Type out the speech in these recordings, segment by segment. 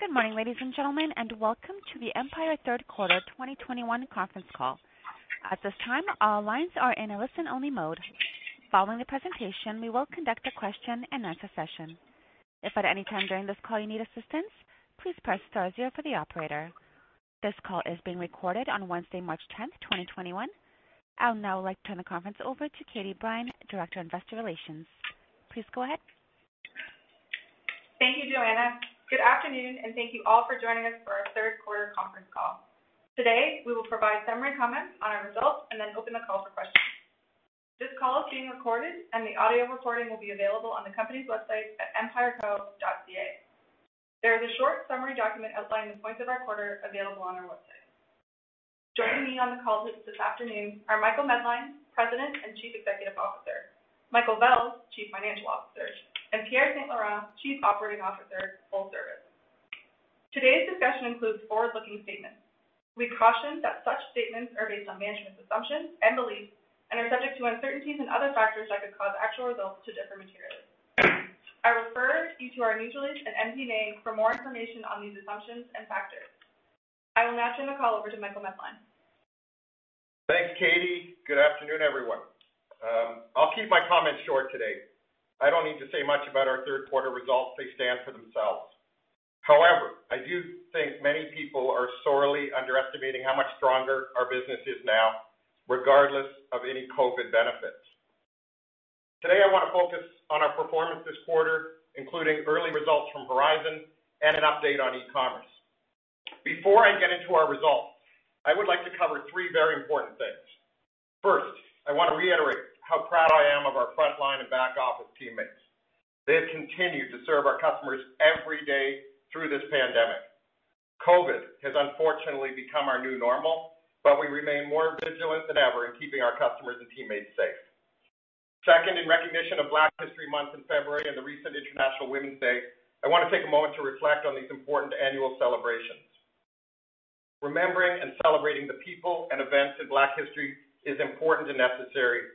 Good morning, ladies and gentlemen, and welcome to the Empire third quarter 2021 conference call. At this time, all lines are in a listen-only mode. Following the presentation, we will conduct a question-and-answer session. This call is being recorded on Wednesday, March 10th, 2021. I'll now like to turn the conference over to Katie Brine, Director Investor Relations. Please go ahead. Thank you, Joanna. Good afternoon, and thank you all for joining us for our third quarter conference call. Today, we will provide summary comments on our results and then open the call for questions. This call is being recorded, and the audio recording will be available on the company's website at empireco.ca. There is a short summary document outlining the points of our quarter available on our website. Joining me on the call this afternoon are Michael Medline, President and Chief Executive Officer, Michael Vels, Chief Financial Officer, and Pierre St-Laurent, Chief Operating Officer, Full Service. Today's discussion includes forward-looking statements. We caution that such statements are based on management's assumptions and beliefs and are subject to uncertainties and other factors that could cause actual results to differ materially. I refer you to our news release in MD&A for more information on these assumptions and factors. I will now turn the call over to Michael Medline. Thanks, Katie. Good afternoon, everyone. I'll keep my comments short today. I don't need to say much about our third quarter results. They stand for themselves. I do think many people are sorely underestimating how much stronger our business is now, regardless of any COVID benefits. Today, I want to focus on our performance this quarter, including early results from Horizon and an update on e-commerce. Before I get into our results, I would like to cover three very important things. I want to reiterate how proud I am of our frontline and back office teammates. They have continued to serve our customers every day through this pandemic. COVID has unfortunately become our new normal, we remain more vigilant than ever in keeping our customers and teammates safe. Second, in recognition of Black History Month in February and the recent International Women's Day, I want to take a moment to reflect on these important annual celebrations. Remembering and celebrating the people and events in Black history is important and necessary.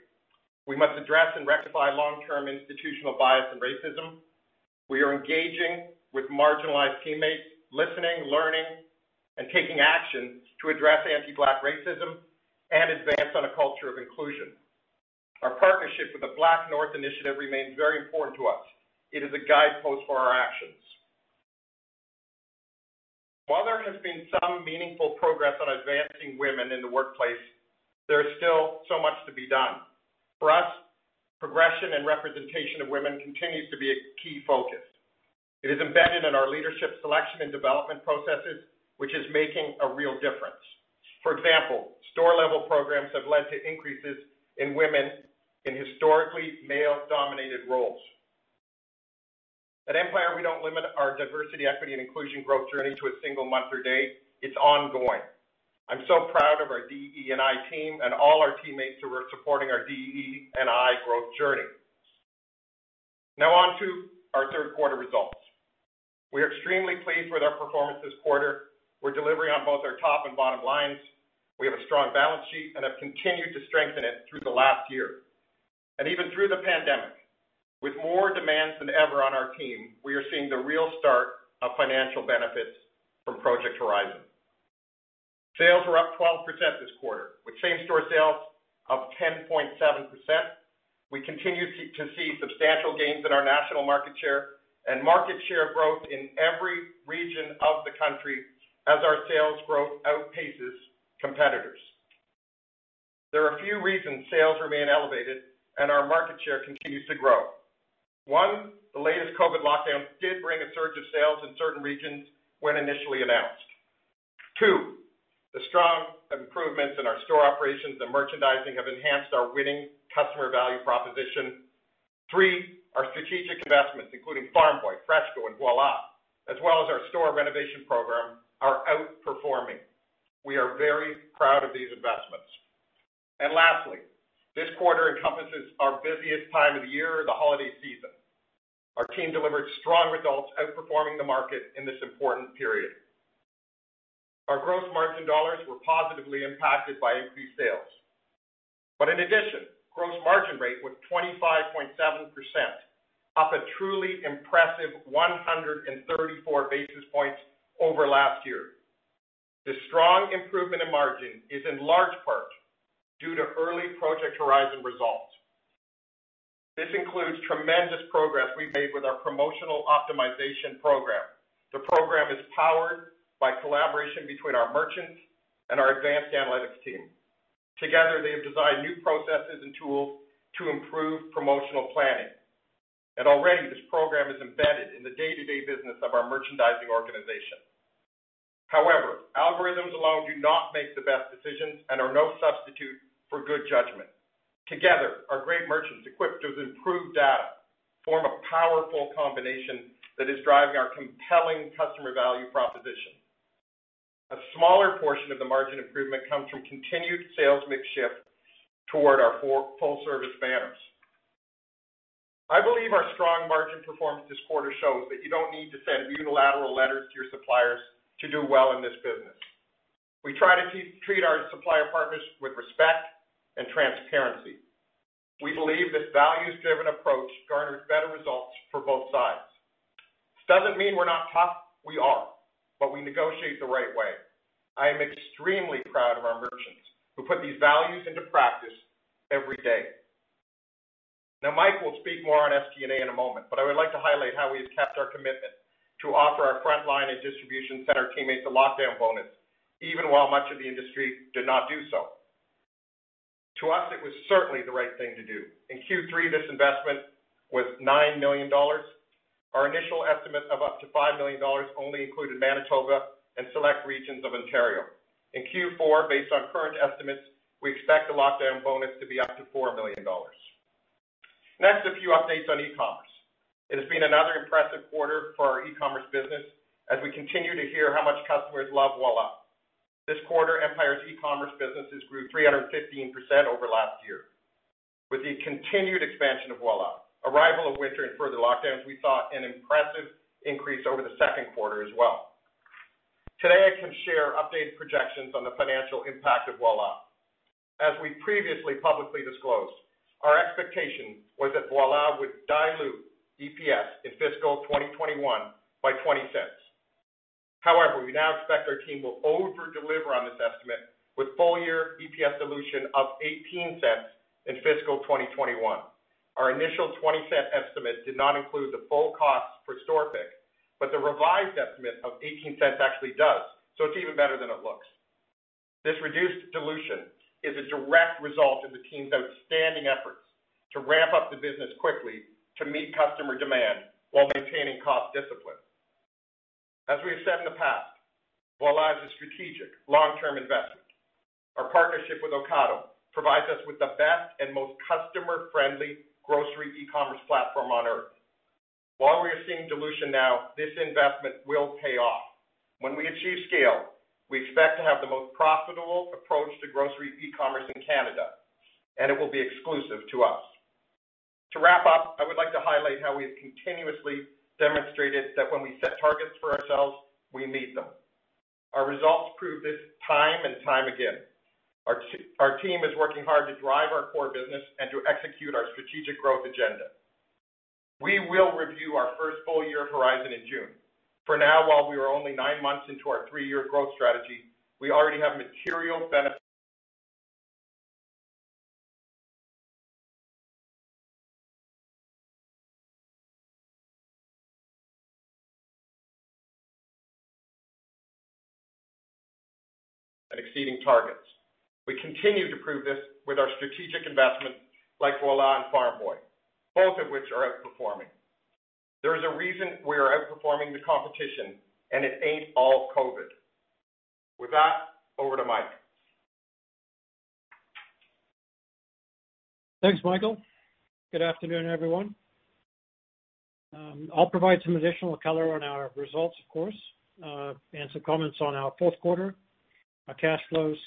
We must address and rectify long-term institutional bias and racism. We are engaging with marginalized teammates, listening, learning, and taking actions to address anti-Black racism and advance on a culture of inclusion. Our partnership with the BlackNorth Initiative remains very important to us. It is a guidepost for our actions. While there has been some meaningful progress on advancing women in the workplace, there is still so much to be done. For us, progression and representation of women continues to be a key focus. It is embedded in our leadership selection and development processes, which is making a real difference. For example, store-level programs have led to increases in women in historically male-dominated roles. At Empire, we don't limit our diversity, equity, and inclusion growth journey to a single month or day. It's ongoing. I'm so proud of our DE&I team and all our teammates who are supporting our DE&I growth journey. On to our third quarter results. We are extremely pleased with our performance this quarter. We're delivering on both our top and bottom lines. We have a strong balance sheet and have continued to strengthen it through the last year. Even through the pandemic, with more demands than ever on our team, we are seeing the real start of financial benefits from Project Horizon. Sales were up 12% this quarter, with same-store sales of 10.7%. We continue to see substantial gains in our national market share and market share growth in every region of the country as our sales growth outpaces competitors. There are a few reasons sales remain elevated and our market share continues to grow. One, the latest COVID lockdowns did bring a surge of sales in certain regions when initially announced. Two, the strong improvements in our store operations and merchandising have enhanced our winning customer value proposition. Three, our strategic investments, including Farm Boy, FreshCo, and Voilà, as well as our store renovation program, are outperforming. We are very proud of these investments. Lastly, this quarter encompasses our busiest time of year, the holiday season. Our team delivered strong results, outperforming the market in this important period. Our gross margin dollars were positively impacted by increased sales. In addition, gross margin rate was 25.7%, up a truly impressive 134 basis points over last year. The strong improvement in margin is in large part due to early Project Horizon results. This includes tremendous progress we've made with our promotional optimization program. The program is powered by collaboration between our merchants and our advanced analytics team. Together, they have designed new processes and tools to improve promotional planning. Already, this program is embedded in the day-to-day business of our merchandising organization. However, algorithms alone do not make the best decisions and are no substitute for good judgment. Together, our great merchants, equipped with improved data, form a powerful combination that is driving our compelling customer value proposition. A smaller portion of the margin improvement comes from continued sales mix shift toward our full-service banners. I believe our strong margin performance this quarter shows that you don't need to send unilateral letters to your suppliers to do well in this business. We try to treat our supplier partners with respect and transparency. We believe this values-driven approach garners better results for both sides. This doesn't mean we're not tough. We are, but we negotiate the right way. I am extremely proud of our merchants who put these values into practice every day. Mike will speak more on SG&A in a moment, but I would like to highlight how we have kept our commitment to offer our frontline and distribution center teammates a lockdown bonus, even while much of the industry did not do so. To us, it was certainly the right thing to do. In Q3, this investment was 9 million dollars. Our initial estimate of up to 5 million dollars only included Manitoba and select regions of Ontario. In Q4, based on current estimates, we expect the lockdown bonus to be up to 4 million dollars. Next, a few updates on e-commerce. It has been another impressive quarter for our e-commerce business as we continue to hear how much customers love Voilà. This quarter, Empire's e-commerce businesses grew 315% over last year. With the continued expansion of Voilà, arrival of winter, and further lockdowns, we saw an impressive increase over the second quarter as well. Today, I can share updated projections on the financial impact of Voilà. As we previously publicly disclosed, our expectation was that Voilà would dilute EPS in fiscal 2021 by 0.20. However, we now expect our team will over-deliver on this estimate with full-year EPS dilution of 0.18 in fiscal 2021. Our initial 0.20 estimate did not include the full cost for store pick, but the revised estimate of 0.18 actually does, so it's even better than it looks. This reduced dilution is a direct result of the team's outstanding efforts to ramp up the business quickly to meet customer demand while maintaining cost discipline. As we have said in the past, Voilà is a strategic, long-term investment. Our partnership with Ocado provides us with the best and most customer-friendly grocery e-commerce platform on Earth. While we are seeing dilution now, this investment will pay off. When we achieve scale, we expect to have the most profitable approach to grocery e-commerce in Canada, and it will be exclusive to us. To wrap up, I would like to highlight how we have continuously demonstrated that when we set targets for ourselves, we meet them. Our results prove this time and time again. Our team is working hard to drive our core business and to execute our strategic growth agenda. We will review our first full year of Horizon in June. For now, while we are only nine months into our three-year growth strategy, we already have material benefits and exceeding targets. We continue to prove this with our strategic investments like Voilà and Farm Boy, both of which are outperforming. There is a reason we are outperforming the competition, and it ain't all COVID. With that, over to Mike. Thanks, Michael. Good afternoon, everyone. I'll provide some additional color on our results, of course, and some comments on our fourth quarter, our cash flows,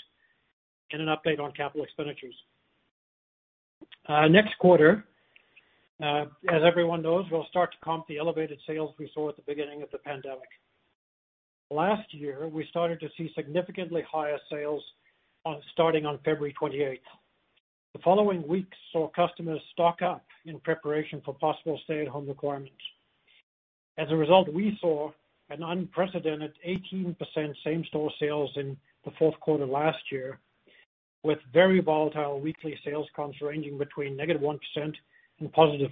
and an update on capital expenditures. Next quarter, as everyone knows, we'll start to comp the elevated sales we saw at the beginning of the pandemic. Last year, we started to see significantly higher sales starting on February 28th. The following weeks saw customers stock up in preparation for possible stay-at-home requirements. As a result, we saw an unprecedented 18% same-store sales in the fourth quarter last year, with very volatile weekly sales comps ranging between -1% and +52%.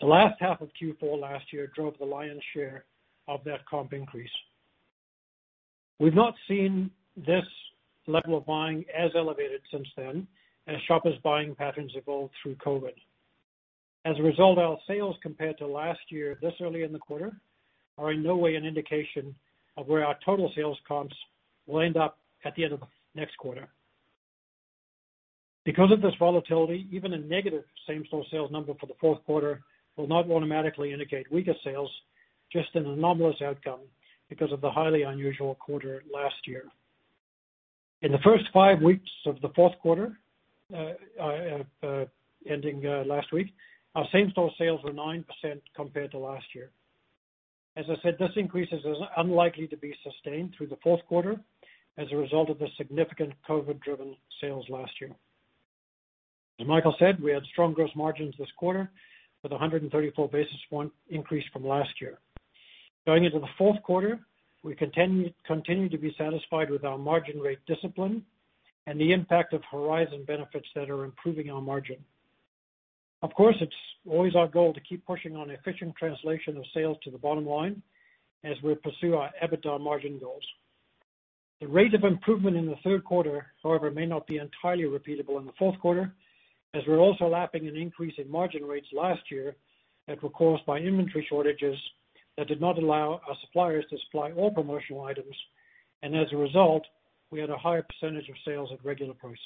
The last half of Q4 last year drove the lion's share of that comp increase. We've not seen this level of buying as elevated since then, as shoppers' buying patterns evolved through COVID. As a result, our sales compared to last year this early in the quarter are in no way an indication of where our total sales comps will end up at the end of next quarter. Because of this volatility, even a negative same-store sales number for the fourth quarter will not automatically indicate weaker sales, just an anomalous outcome because of the highly unusual quarter last year. In the first five weeks of the fourth quarter ending last week, our same-store sales were 9% compared to last year. As I said, this increase is unlikely to be sustained through the fourth quarter as a result of the significant COVID-driven sales last year. As Michael said, we had strong gross margins this quarter with 134 basis point increase from last year. Going into the fourth quarter, we continue to be satisfied with our margin rate discipline and the impact of Project Horizon benefits that are improving our margin. Of course, it's always our goal to keep pushing on efficient translation of sales to the bottom line as we pursue our EBITDA margin goals. The rate of improvement in the third quarter, however, may not be entirely repeatable in the fourth quarter, as we're also lapping an increase in margin rates last year that were caused by inventory shortages that did not allow our suppliers to supply all promotional items, and as a result, we had a higher percentage of sales at regular prices.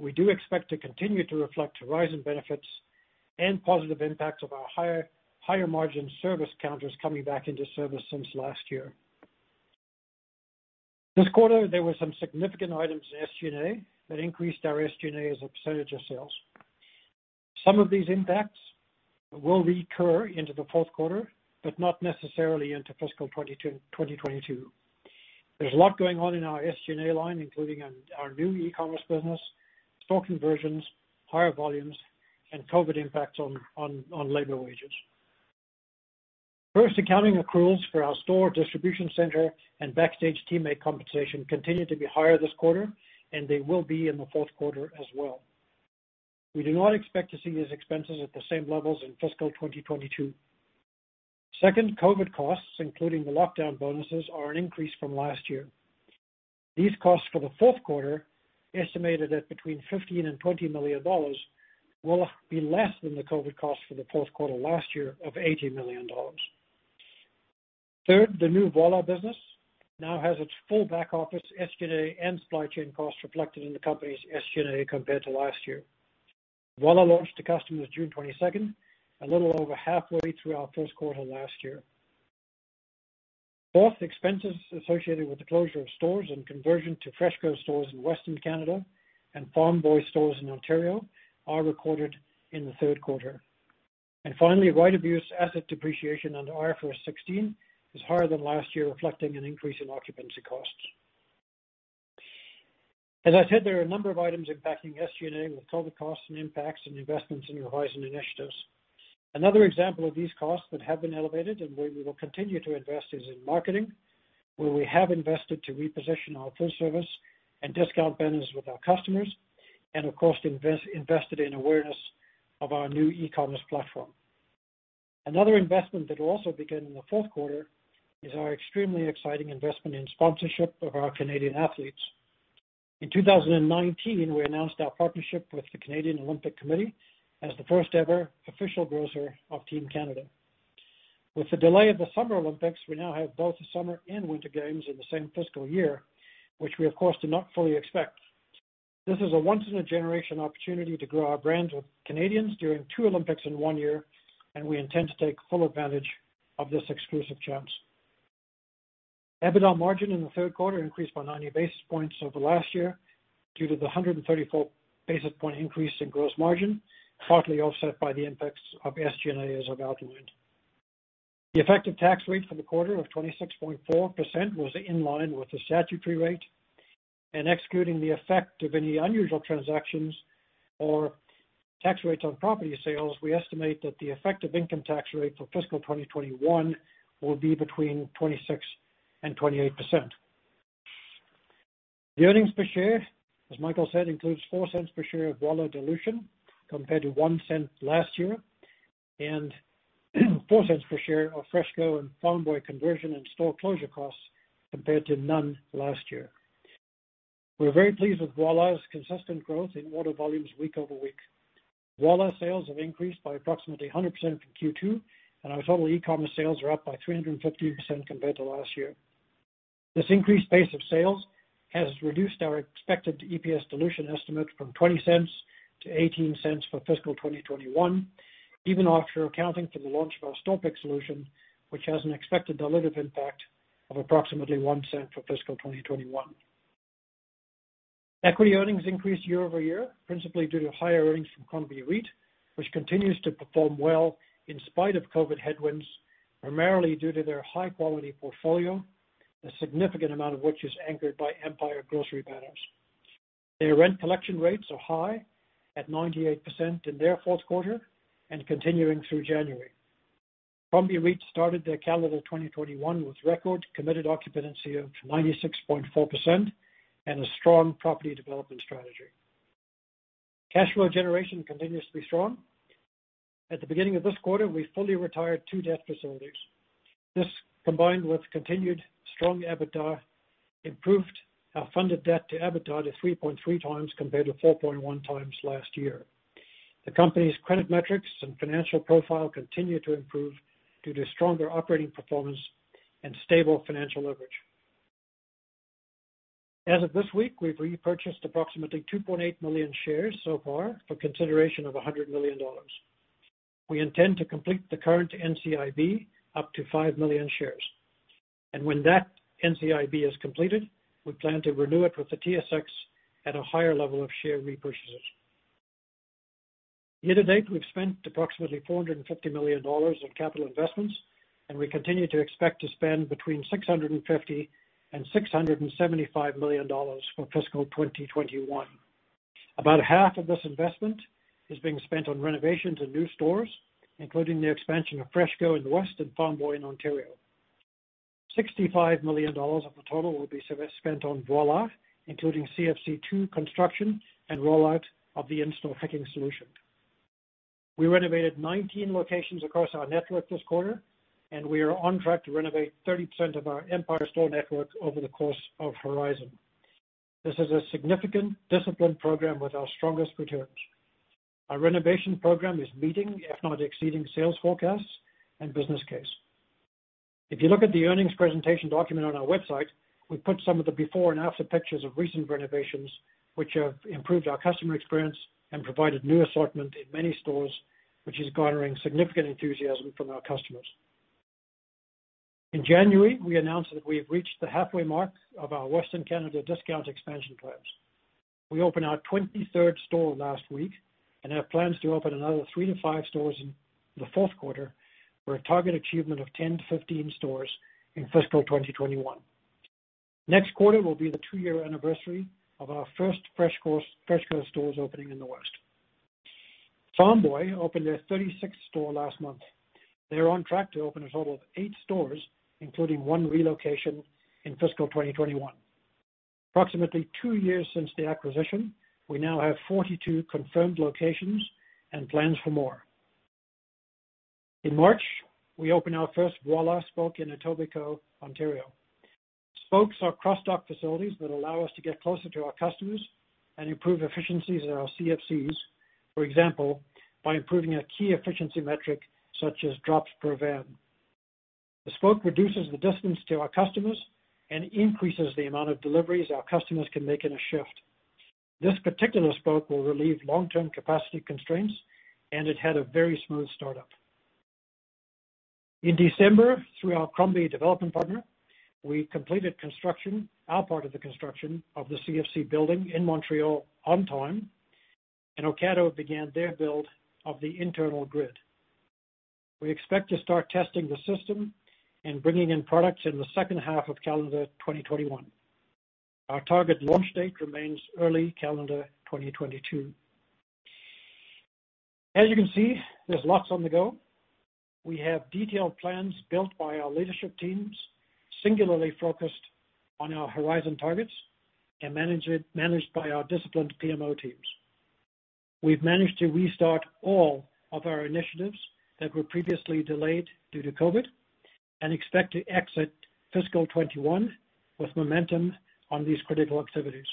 We do expect to continue to reflect Project Horizon benefits and positive impacts of our higher margin service counters coming back into service since last year. This quarter, there were some significant items in SG&A that increased our SG&A as a percentage of sales. Some of these impacts will recur into the fourth quarter, but not necessarily into fiscal 2022. There's a lot going on in our SG&A line, including our new e-commerce business, store conversions, higher volumes, and COVID impacts on labor wages. First, accounting accruals for our store distribution center and backstage teammate compensation continued to be higher this quarter, and they will be in the fourth quarter as well. We do not expect to see these expenses at the same levels in fiscal 2022. Second, COVID costs, including the lockdown bonuses, are an increase from last year. These costs for the fourth quarter, estimated at between 15 million and 20 million dollars, will be less than the COVID cost for the fourth quarter last year of 80 million dollars. Third, the new Voilà business now has its full back-office SG&A and supply chain costs reflected in the company's SG&A compared to last year. Voilà launched to customers June 22nd, a little over halfway through our first quarter last year. Fourth, expenses associated with the closure of stores and conversion to FreshCo stores in Western Canada and Farm Boy stores in Ontario are recorded in the third quarter. Finally, right-of-use asset depreciation under IFRS 16 was higher than last year, reflecting an increase in occupancy costs. As I said, there are a number of items impacting SG&A with COVID costs and impacts and investments in Project Horizon initiatives. Another example of these costs that have been elevated and where we will continue to invest is in marketing, where we have invested to reposition our food service and discount banners with our customers and, of course, invested in awareness of our new e-commerce platform. Another investment that will also begin in the fourth quarter is our extremely exciting investment in sponsorship of our Canadian athletes. In 2019, we announced our partnership with the Canadian Olympic Committee as the first-ever official grocer of Team Canada. With the delay of the Summer Olympics, we now have both the Summer and Winter Games in the same fiscal year, which we, of course, did not fully expect. This is a once-in-a-generation opportunity to grow our brand with Canadians during two Olympics in one year, and we intend to take full advantage of this exclusive chance. EBITDA margin in the third quarter increased by 90 basis points over last year due to the 134 basis point increase in gross margin, partly offset by the impacts of SG&A, as I've outlined. The effective tax rate for the quarter of 26.4% was in line with the statutory rate. Excluding the effect of any unusual transactions or tax rates on property sales, we estimate that the effective income tax rate for fiscal 2021 will be between 26% and 28%. The earnings per share, as Michael said, includes 0.04 per share of Voilà dilution, compared to 0.01 last year, and 0.04 per share of FreshCo and Farm Boy conversion and store closure costs, compared to none last year. We're very pleased with Voilà's consistent growth in order volumes week-over-week. Voilà sales have increased by approximately 100% from Q2, and our total e-commerce sales are up by 350% compared to last year. This increased pace of sales has reduced our expected EPS dilution estimate from 0.20 to 0.18 for fiscal 2021, even after accounting for the launch of our store pick solution, which has an expected dilutive impact of approximately 0.01 for fiscal 2021. Equity earnings increased year-over-year, principally due to higher earnings from Crombie REIT, which continues to perform well in spite of COVID headwinds, primarily due to their high-quality portfolio, a significant amount of which is anchored by Empire grocery banners. Their rent collection rates are high at 98% in their fourth quarter and continuing through January. Crombie REIT started their calendar 2021 with record committed occupancy of 96.4% and a strong property development strategy. Cash flow generation continues to be strong. At the beginning of this quarter, we fully retired two debt facilities. This, combined with continued strong EBITDA, improved our funded debt to EBITDA to 3.3x compared to 4.1x last year. The company's credit metrics and financial profile continue to improve due to stronger operating performance and stable financial leverage. As of this week, we've repurchased approximately 2.8 million shares so far for consideration of 100 million dollars. We intend to complete the current NCIB up to five million shares. When that NCIB is completed, we plan to renew it with the TSX at a higher level of share repurchases. Year to date, we've spent approximately 450 million dollars in capital investments, and we continue to expect to spend between 650 million and 675 million dollars for fiscal 2021. About half of this investment is being spent on renovations and new stores, including the expansion of FreshCo in the West and Farm Boy in Ontario. 65 million dollars of the total will be spent on Voilà, including CFC-2 construction and rollout of the in-store picking solution. We renovated 19 locations across our network this quarter, and we are on track to renovate 30% of our Empire store network over the course of Horizon. This is a significant discipline program with our strongest returns. Our renovation program is meeting, if not exceeding, sales forecasts and business case. If you look at the earnings presentation document on our website, we put some of the before and after pictures of recent renovations, which have improved our customer experience and provided new assortment in many stores, which is garnering significant enthusiasm from our customers. In January, we announced that we have reached the halfway mark of our Western Canada discount expansion plans. We opened our 23rd store last week and have plans to open another three to five stores in the fourth quarter for a target achievement of 10-15 stores in fiscal 2021. Next quarter will be the two-year anniversary of our first FreshCo stores opening in the West. Save-On-Foods opened their 36th store last month. They're on track to open a total of eight stores, including one relocation in fiscal 2021. Approximately two years since the acquisition, we now have 42 confirmed locations and plans for more. In March, we opened our first Voilà spoke in Etobicoke, Ontario. Spokes are cross-dock facilities that allow us to get closer to our customers and improve efficiencies at our CFCs, for example, by improving a key efficiency metric such as drops per van. The spoke reduces the distance to our customers and increases the amount of deliveries our customers can make in a shift. This particular spoke will relieve long-term capacity constraints, and it had a very smooth start-up. In December, through our Crombie development partner, we completed our part of the construction of the CFC building in Montreal on time, and Ocado began their build of the internal grid. We expect to start testing the system and bringing in products in the second half of calendar 2021. Our target launch date remains early calendar 2022. As you can see, there's lots on the go. We have detailed plans built by our leadership teams, singularly focused on our horizon targets and managed by our disciplined PMO teams. We've managed to restart all of our initiatives that were previously delayed due to COVID and expect to exit fiscal 2021 with momentum on these critical activities.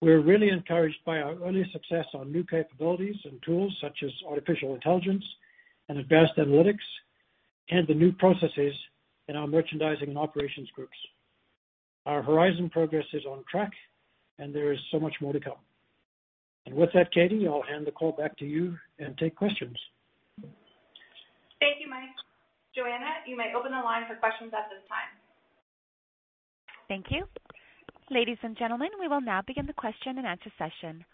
We're really encouraged by our early success on new capabilities and tools such as artificial intelligence and advanced analytics and the new processes in our merchandising and operations groups. Our Project Horizon progress is on track, and there is so much more to come. With that, Katie, I'll hand the call back to you and take questions. Thank you, Mike. Joanna, you may open the line for questions at this time. Thank you. Ladies and gentlemen, we will now begin the question-and-answer session.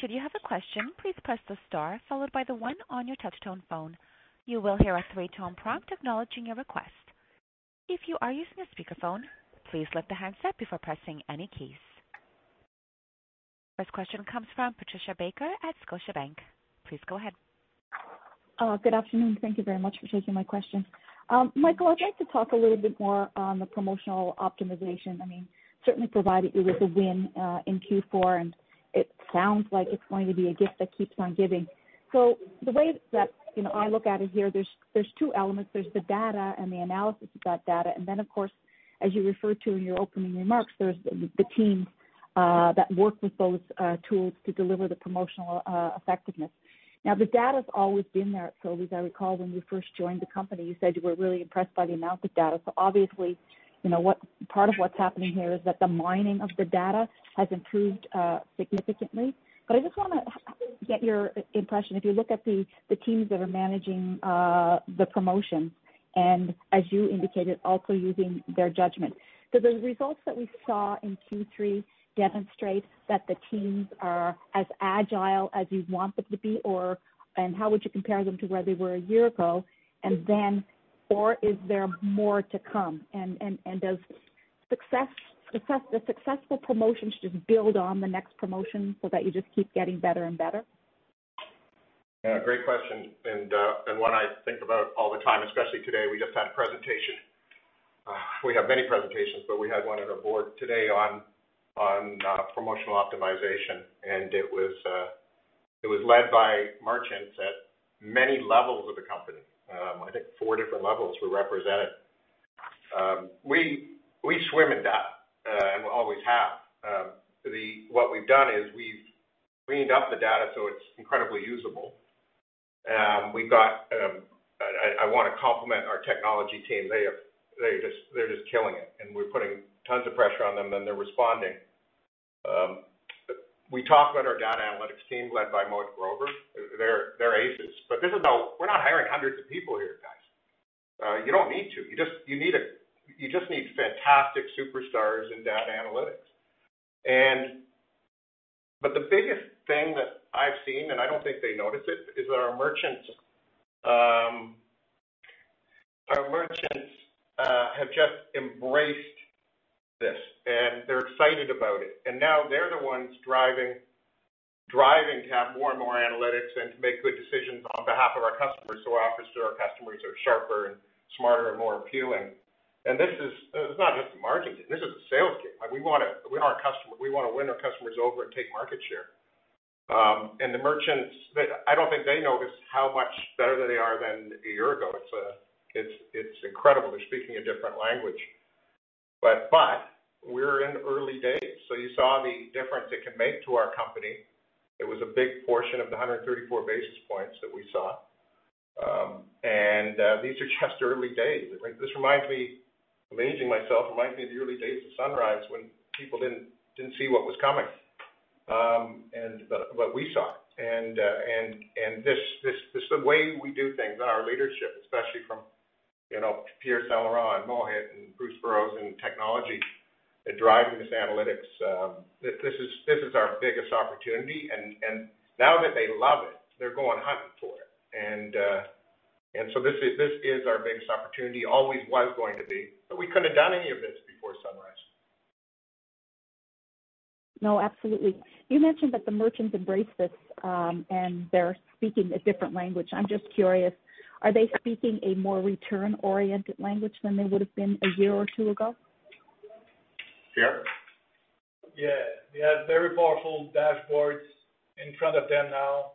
Should you have a question, please press the star followed by the one on your touch tone phone. You will hear a three-tone prompt acknowledging your request. If you are using a speakerphone, please lift the handset before pressing any keys. First question comes from Patricia Baker at Scotiabank. Please go ahead. Good afternoon. Thank you very much for taking my question. Michael, I'd like to talk a little bit more on the promotional optimization. Certainly provided you with a win in Q4, and it sounds like it's going to be a gift that keeps on giving. The way that I look at it here, there's two elements. There's the data and the analysis of that data, and then, of course, as you referred to in your opening remarks, there's the teams that work with those tools to deliver the promotional effectiveness. The data's always been there at Sobeys. I recall when you first joined the company, you said you were really impressed by the amount of data. Obviously, part of what's happening here is that the mining of the data has improved significantly. I just want to get your impression. If you look at the teams that are managing the promotions and as you indicated, also using their judgment. Do the results that we saw in Q3 demonstrate that the teams are as agile as you want them to be, and how would you compare them to where they were a year ago, or is there more to come? Does the successful promotion just build on the next promotion so that you just keep getting better and better? Great question, and one I think about all the time, especially today. We just had a presentation. We have many presentations, but we had one at our board today on promotional optimization, and it was led by merchants at many levels of the company. I think four different levels were represented. We swim in data, and we always have. What we've done is we've cleaned up the data so it's incredibly usable. I want to compliment our technology team. They're just killing it, and we're putting tons of pressure on them, and they're responding. We talk about our data analytics team led by Mohit Grover. They're aces. We're not hiring hundreds of people here, guys. You don't need to. You just need fantastic superstars in data analytics. The biggest thing that I've seen, and I don't think they notice it, is that our merchants have just embraced this, and they're excited about it. Now they're the ones driving to have more and more analytics and to make good decisions on behalf of our customers so our customers are sharper and smarter and more appealing. This is not just the margin game. This is the sales game. We want to win our customers over and take market share. The merchants, I don't think they notice how much better they are than a year ago. It's incredible. They're speaking a different language. We're in early days, you saw the difference it can make to our company. It was a big portion of the 134 basis points that we saw. These are just early days. This, amazing myself, reminds me of the early days of Sunrise when people didn't see what was coming, but we saw it. This way we do things, our leadership, especially from Pierre St-Laurent and Mohit and Bruce Burrows in technology, are driving this analytics. This is our biggest opportunity, and now that they love it, they're going hunting for it. So this is our biggest opportunity, always was going to be. We couldn't have done any of this before Sunrise. No, absolutely. You mentioned that the merchants embrace this, and they're speaking a different language. I'm just curious, are they speaking a more return-oriented language than they would've been a year or two ago? Pierre? Yeah. They have very powerful dashboards in front of them now.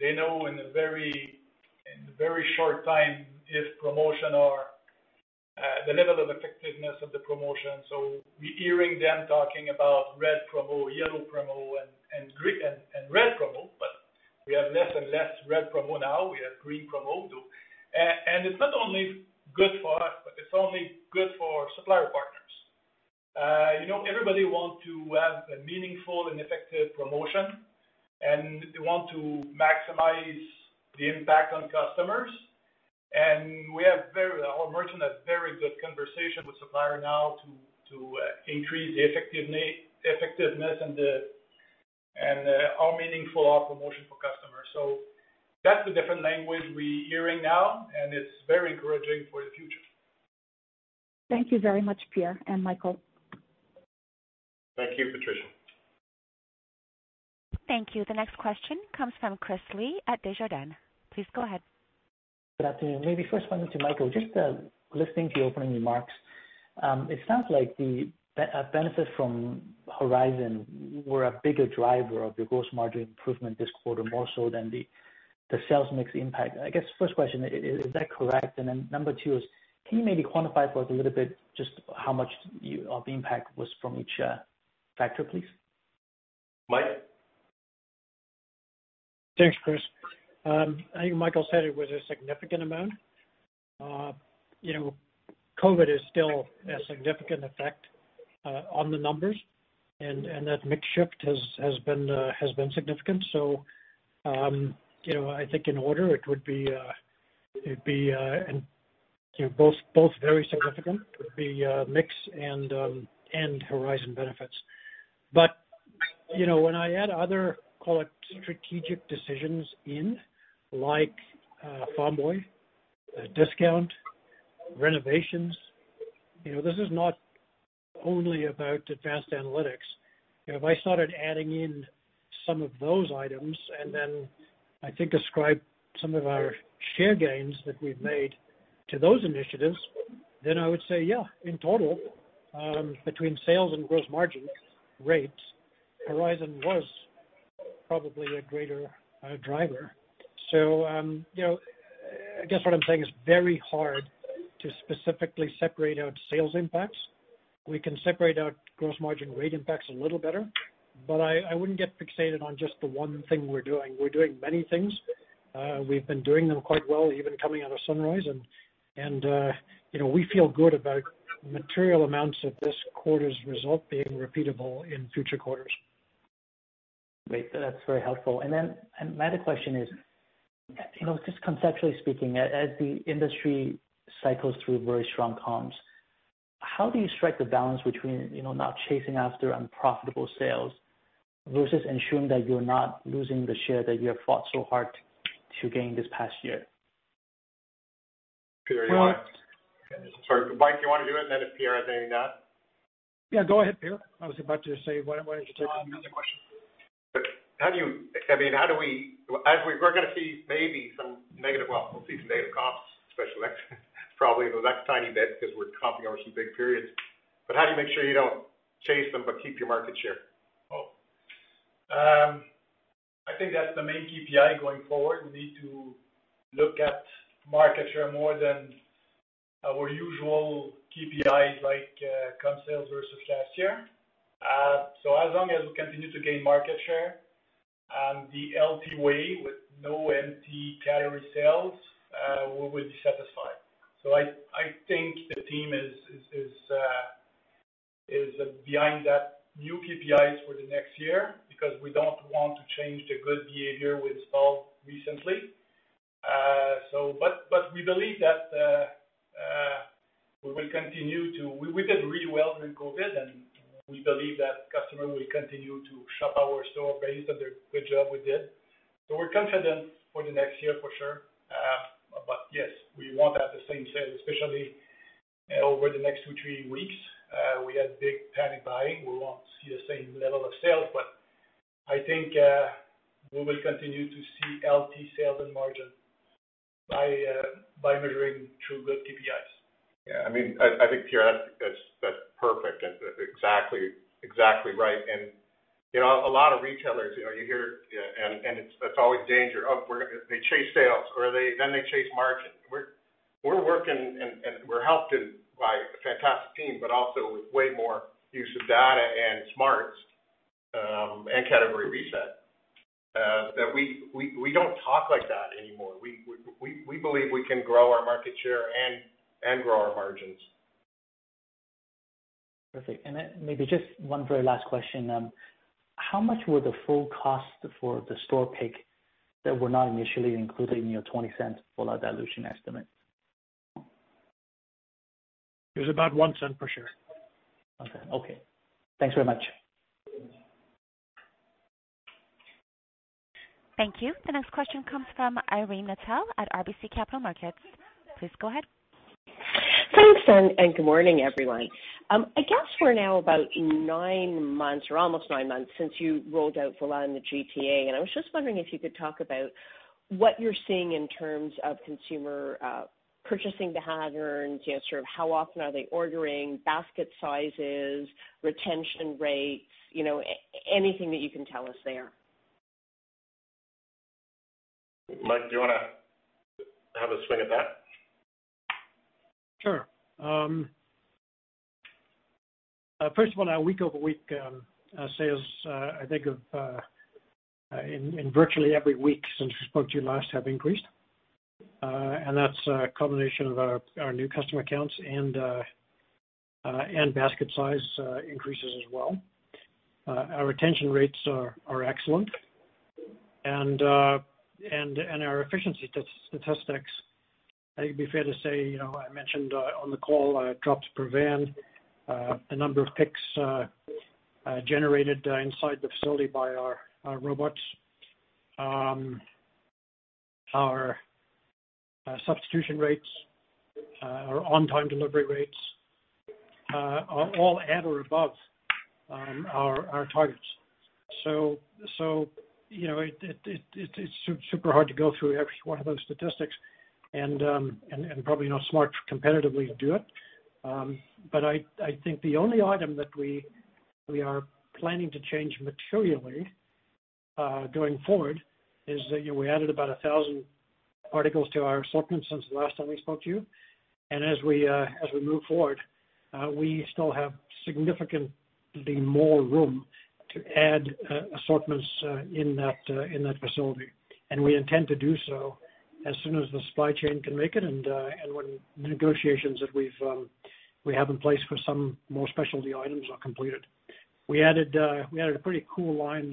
They know in a very short time if promotion or the level of effectiveness of the promotion. We're hearing them talking about red promo, yellow promo and red promo, but we have less and less red promo now. We have green promo too. It's not only good for us, but it's only good for supplier partners. Everybody wants to have a meaningful and effective promotion, and they want to maximize the impact on customers. Our merchant has very good conversation with supplier now to increase the effectiveness and how meaningful our promotion for customers. That's the different language we hearing now, and it's very encouraging for the future. Thank you very much, Pierre and Michael. Thank you, Patricia. Thank you. The next question comes from Chris Li at Desjardins. Please go ahead. Good afternoon. Maybe first one to Michael, just, listening to your opening remarks, it sounds like the benefits from Horizon were a bigger driver of your gross margin improvement this quarter, more so than the sales mix impact. I guess first question, is that correct? Number two is, can you maybe quantify for us a little bit just how much of the impact was from each factor, please? Mike? Thanks, Chris. I think Michael said it was a significant amount. COVID is still a significant effect on the numbers, and that mix shift has been significant. I think in order, both very significant. It would be mix and Horizon benefits. When I add other, call it strategic decisions in, like Farm Boy discount, renovations, this is not only about advanced analytics. If I started adding in some of those items and then I think ascribe some of our share gains that we've made to those initiatives, then I would say yeah, in total, between sales and gross margin rates, Horizon was probably a greater driver. I guess what I'm saying, it's very hard to specifically separate out sales impacts. We can separate out gross margin rate impacts a little better, I wouldn't get fixated on just the one thing we're doing. We're doing many things. We've been doing them quite well, even coming out of Project Sunrise and we feel good about material amounts of this quarter's result being repeatable in future quarters. Great. That's very helpful. My other question is, just conceptually speaking, as the industry cycles through very strong comps, how do you strike the balance between not chasing after unprofitable sales versus ensuring that you're not losing the share that you have fought so hard to gain this past year? Mike, do you want to do it, and then if Pierre has anything to add? Yeah, go ahead, Pierre. I was about to say, why don't you take the lead? Another question. How do we We're going to see maybe some negative, well, we'll see some negative comps, especially next, probably in the next tiny bit because we're comping over some big periods. How do you make sure you don't chase them but keep your market share? I think that's the main KPI going forward. We need to look at market share more than our usual KPIs, like comp sales versus last year. As long as we continue to gain market share, the healthy way with no empty calorie sales, we will be satisfied. I think the team is behind that new KPIs for the next year because we don't want to change the good behavior we installed recently. We did really well during COVID, and we believe that customer will continue to shop our store based on the good job we did. We're confident for the next year, for sure. Yes, we want to have the same sales, especially over the next two, three weeks. We had big panic buying. We won't see the same level of sales, but I think, we will continue to see healthy sales and margin by measuring through good KPIs. Yeah, I think, Pierre, that's perfect and exactly right. A lot of retailers, you hear, and that's always a danger. They chase sales or then they chase margin. We're working and we're helped by a fantastic team, but also with way more use of data and smarts and category reset, that we don't talk like that anymore. We believe we can grow our market share and grow our margins. Perfect. Maybe just one very last question. How much were the full costs for the store pick that were not initially included in your 0.20 full dilution estimate? It was about 0.01 per share. Okay. Thanks very much. Thank you. The next question comes from Irene Nattel at RBC Capital Markets. Please go ahead. Thanks. Good morning, everyone. I guess we're now about nine months or almost nine months since you rolled out Voilà in the GTA, and I was just wondering if you could talk about what you're seeing in terms of consumer purchasing patterns, sort of how often are they ordering, basket sizes, retention rates, anything that you can tell us there. Mike, do you want to have a swing at that? Sure. First of all, our week-over-week sales, I think in virtually every week since we spoke to you last, have increased. That's a combination of our new customer accounts and basket size increases as well. Our retention rates are excellent, and our efficiency statistics, it'd be fair to say, I mentioned on the call, drops per van, the number of picks generated inside the facility by our robots. Our substitution rates, our on-time delivery rates are all at or above our targets. It's super hard to go through every one of those statistics and probably not smart competitively to do it. I think the only item that we are planning to change materially going forward is that we added about 1,000 articles to our assortment since the last time we spoke to you. As we move forward, we still have significantly more room to add assortments in that facility, and we intend to do so as soon as the supply chain can make it and when negotiations that we have in place for some more specialty items are completed. We added a pretty cool line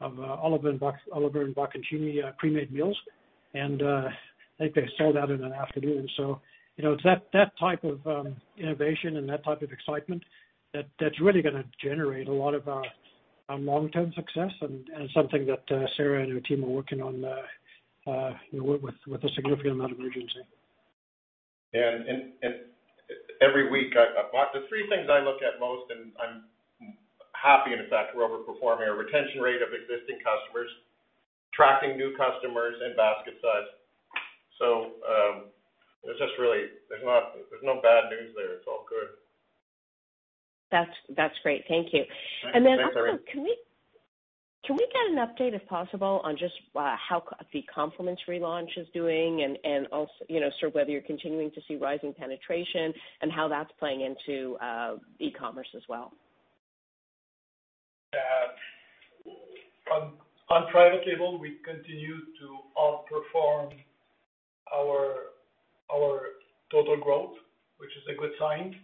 of Oliver & Bonacini pre-made meals, and I think they sold out in an afternoon. It's that type of innovation and that type of excitement that's really going to generate a lot of our long-term success and something that Sarah and her team are working on with a significant amount of urgency. Every week, the three things I look at most, and I'm happy, in effect, we're over-performing, are retention rate of existing customers, tracking new customers, and basket size. There's no bad news there. It's all good. That's great. Thank you. Thanks, Irene. Can we get an update if possible on just how the Compliments relaunch is doing and also sort of whether you're continuing to see rising penetration and how that's playing into e-commerce as well? On private label, we continue to outperform our total growth, which is a good sign.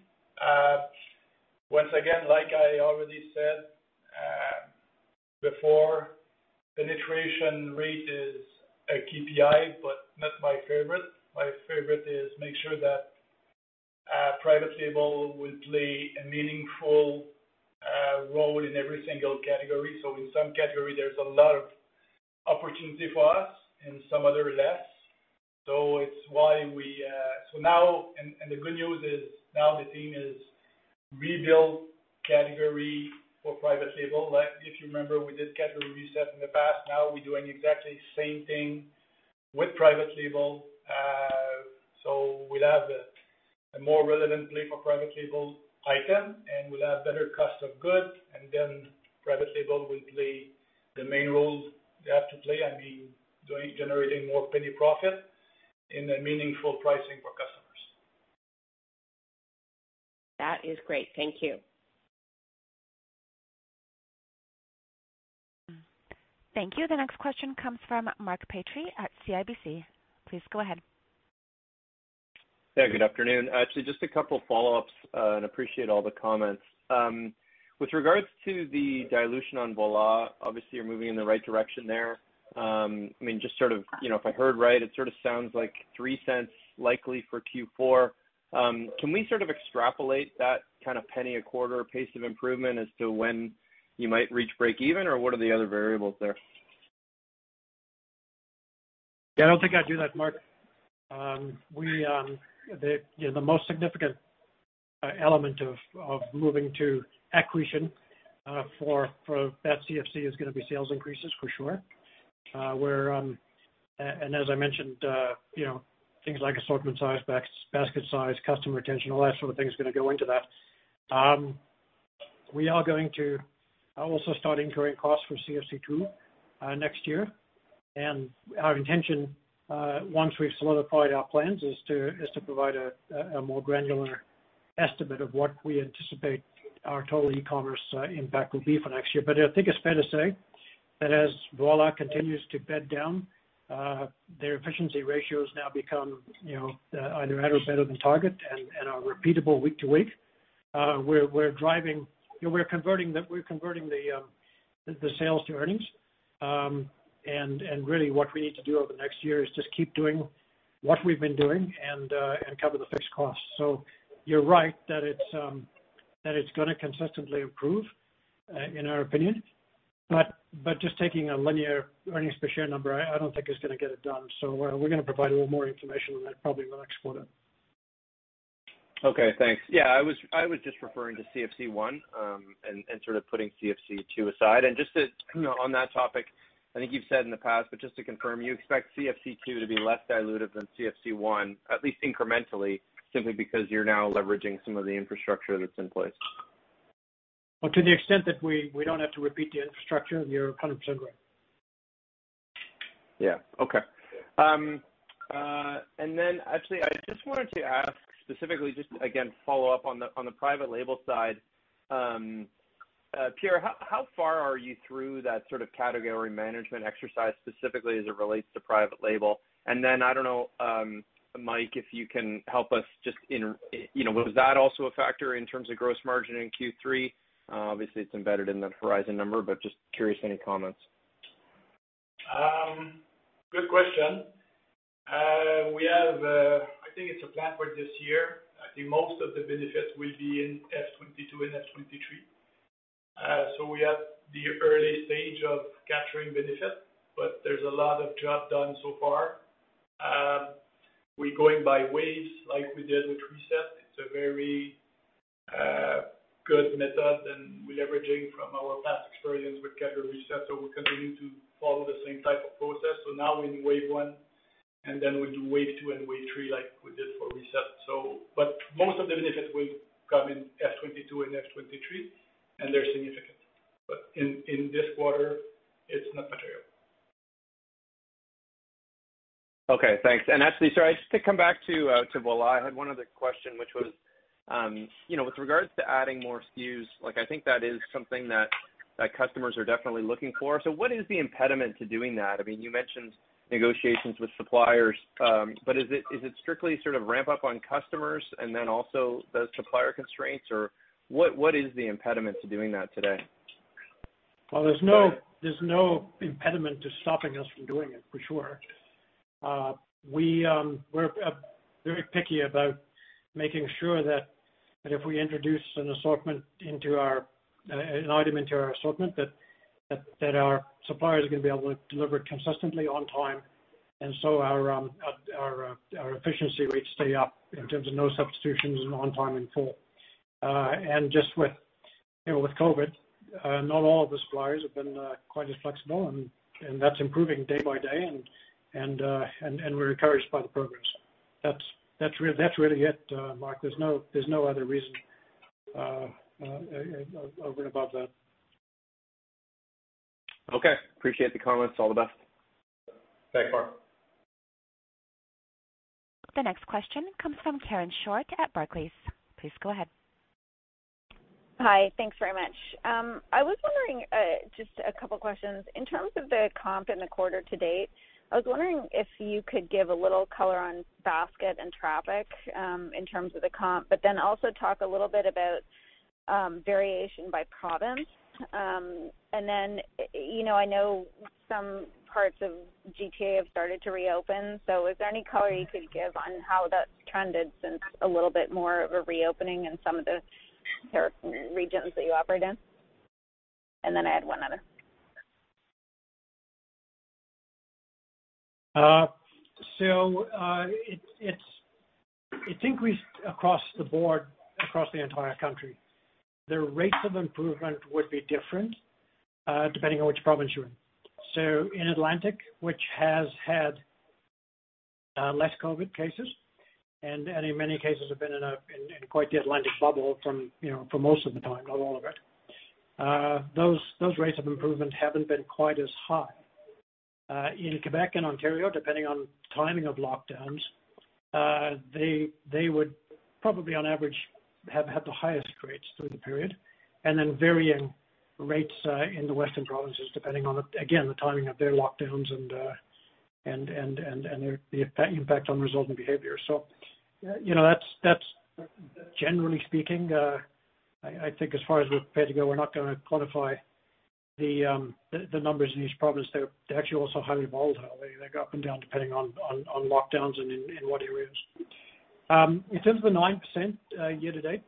Once again, like I already said before, penetration rate is a KPI, but not my favorite. My favorite is make sure that private label will play a meaningful role in every single category. In some category, there's a lot of opportunity for us and some other less. The good news is now the theme is rebuild category for private label. If you remember, we did category reset in the past. Now we're doing exactly the same thing with private label. We'll have a more relevant play for private label item, and we'll have better cost of goods, and then private label will play the main role they have to play and be generating more penny profit in a meaningful pricing for customers. That is great. Thank you. Thank you. The next question comes from Mark Petrie at CIBC. Please go ahead. Yeah, good afternoon. Actually, just a couple of follow-ups. Appreciate all the comments. With regards to the dilution on Voilà, obviously, you're moving in the right direction there. If I heard right, it sort of sounds like 0.03 likely for Q4. Can we sort of extrapolate that kind of CAD 0.01 a quarter pace of improvement as to when you might reach break even, or what are the other variables there? Yeah, I don't think I'd do that, Mark. The most significant element of moving to accretion for that CFC is going to be sales increases for sure. As I mentioned, things like assortment size, basket size, customer retention, all that sort of thing is going to go into that. We are going to also start incurring costs for CFC2 next year. Our intention, once we've solidified our plans, is to provide a more granular estimate of what we anticipate our total e-commerce impact will be for next year. I think it's fair to say that as Voilà continues to bed down, their efficiency ratios now become either at or better than target and are repeatable week to week. We're converting the sales to earnings, and really what we need to do over the next year is just keep doing what we've been doing and cover the fixed costs. You're right that it's going to consistently improve, in our opinion. Just taking a linear earnings per share number, I don't think is going to get it done. We're going to provide a little more information on that, probably in the next quarter. Okay, thanks. Yeah, I was just referring to CFC1, and sort of putting CFC2 aside. Just on that topic, I think you've said in the past, but just to confirm, you expect CFC2 to be less dilutive than CFC1, at least incrementally, simply because you're now leveraging some of the infrastructure that's in place. Well, to the extent that we don't have to repeat the infrastructure, you're 100% correct. Yeah. Okay. Actually, I just wanted to ask specifically, just again, follow up on the private label side. Pierre, how far are you through that sort of category management exercise, specifically as it relates to private label? I don't know, Mike, if you can help us just in, was that also a factor in terms of gross margin in Q3? Obviously, it's embedded in the Horizon number, but just curious for any comments. Good question. We have, I think it's a plan for this year. I think most of the benefits will be in F22 and F23. We are at the early stage of capturing benefits, but there's a lot of job done so far. We're going by waves like we did with reset. It's a very good method, and we're leveraging from our past experience with category reset, we're continuing to follow the same type of process. Now we're in wave one, and then we'll do wave two and wave three like we did for reset. Most of the benefits will come in F22 and F23, and they're significant. In this quarter, it's not material. Okay, thanks. Actually, sorry, just to come back to Voilà, I had one other question, which was, with regards to adding more SKUs, I think that is something that customers are definitely looking for. What is the impediment to doing that? You mentioned negotiations with suppliers. Is it strictly sort of ramp up on customers and then also the supplier constraints, or what is the impediment to doing that today? Well, there's no impediment to stopping us from doing it, for sure. We're very picky about making sure that if we introduce an item into our assortment, that our suppliers are going to be able to deliver it consistently on time. Our efficiency rates stay up in terms of no substitutions and on time in full. Just with COVID, not all of the suppliers have been quite as flexible, and that's improving day by day, and we're encouraged by the progress. That's really it, Mark. There's no other reason over and above that. Okay. Appreciate the comments. All the best. Thanks, Mark. The next question comes from Karen Short at Barclays. Please go ahead. Hi. Thanks very much. I was wondering, just a couple of questions. In terms of the comp and the quarter to date, I was wondering if you could give a little color on basket and traffic, in terms of the comp, also talk a little bit about variation by province. I know some parts of GTA have started to reopen, is there any color you could give on how that's trended since a little bit more of a reopening in some of the regions that you operate in? I had one other. It's increased across the board, across the entire country. The rates of improvement would be different depending on which province you're in. In Atlantic, which has had less COVID cases, and in many cases have been in quite the Atlantic Bubble for most of the time, not all of it, those rates of improvement haven't been quite as high. In Quebec and Ontario, depending on timing of lockdowns, they would probably, on average, have had the highest rates through the period. Varying rates in the Western provinces, depending on, again, the timing of their lockdowns and the impact on resulting behavior. That's generally speaking. I think as far as we're prepared to go, we're not going to quantify the numbers in each province. They're actually also highly volatile. They go up and down depending on lockdowns and in what areas. In terms of the 9% year to date,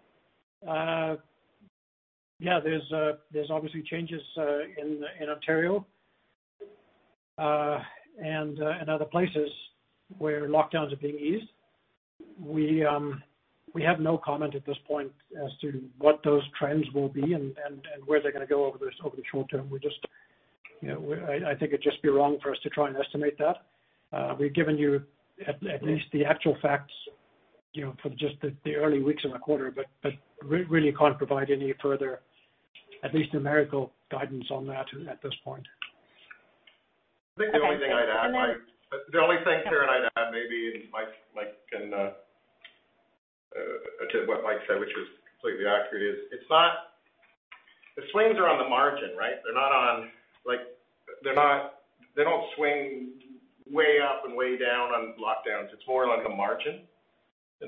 yeah, there's obviously changes in Ontario, and other places where lockdowns are being eased. We have no comment at this point as to what those trends will be and where they're going to go over the short term. I think it'd just be wrong for us to try and estimate that. We've given you at least the actual facts for just the early weeks in the quarter, but really can't provide any further at least numerical guidance on that at this point. I think the only thing I'd add, Mike, the only thing, Karen, I'd add maybe, and Mike can to what Mike said, which was completely accurate, is the swings are on the margin, right? They don't swing way up and way down on lockdowns. It's more like a margin.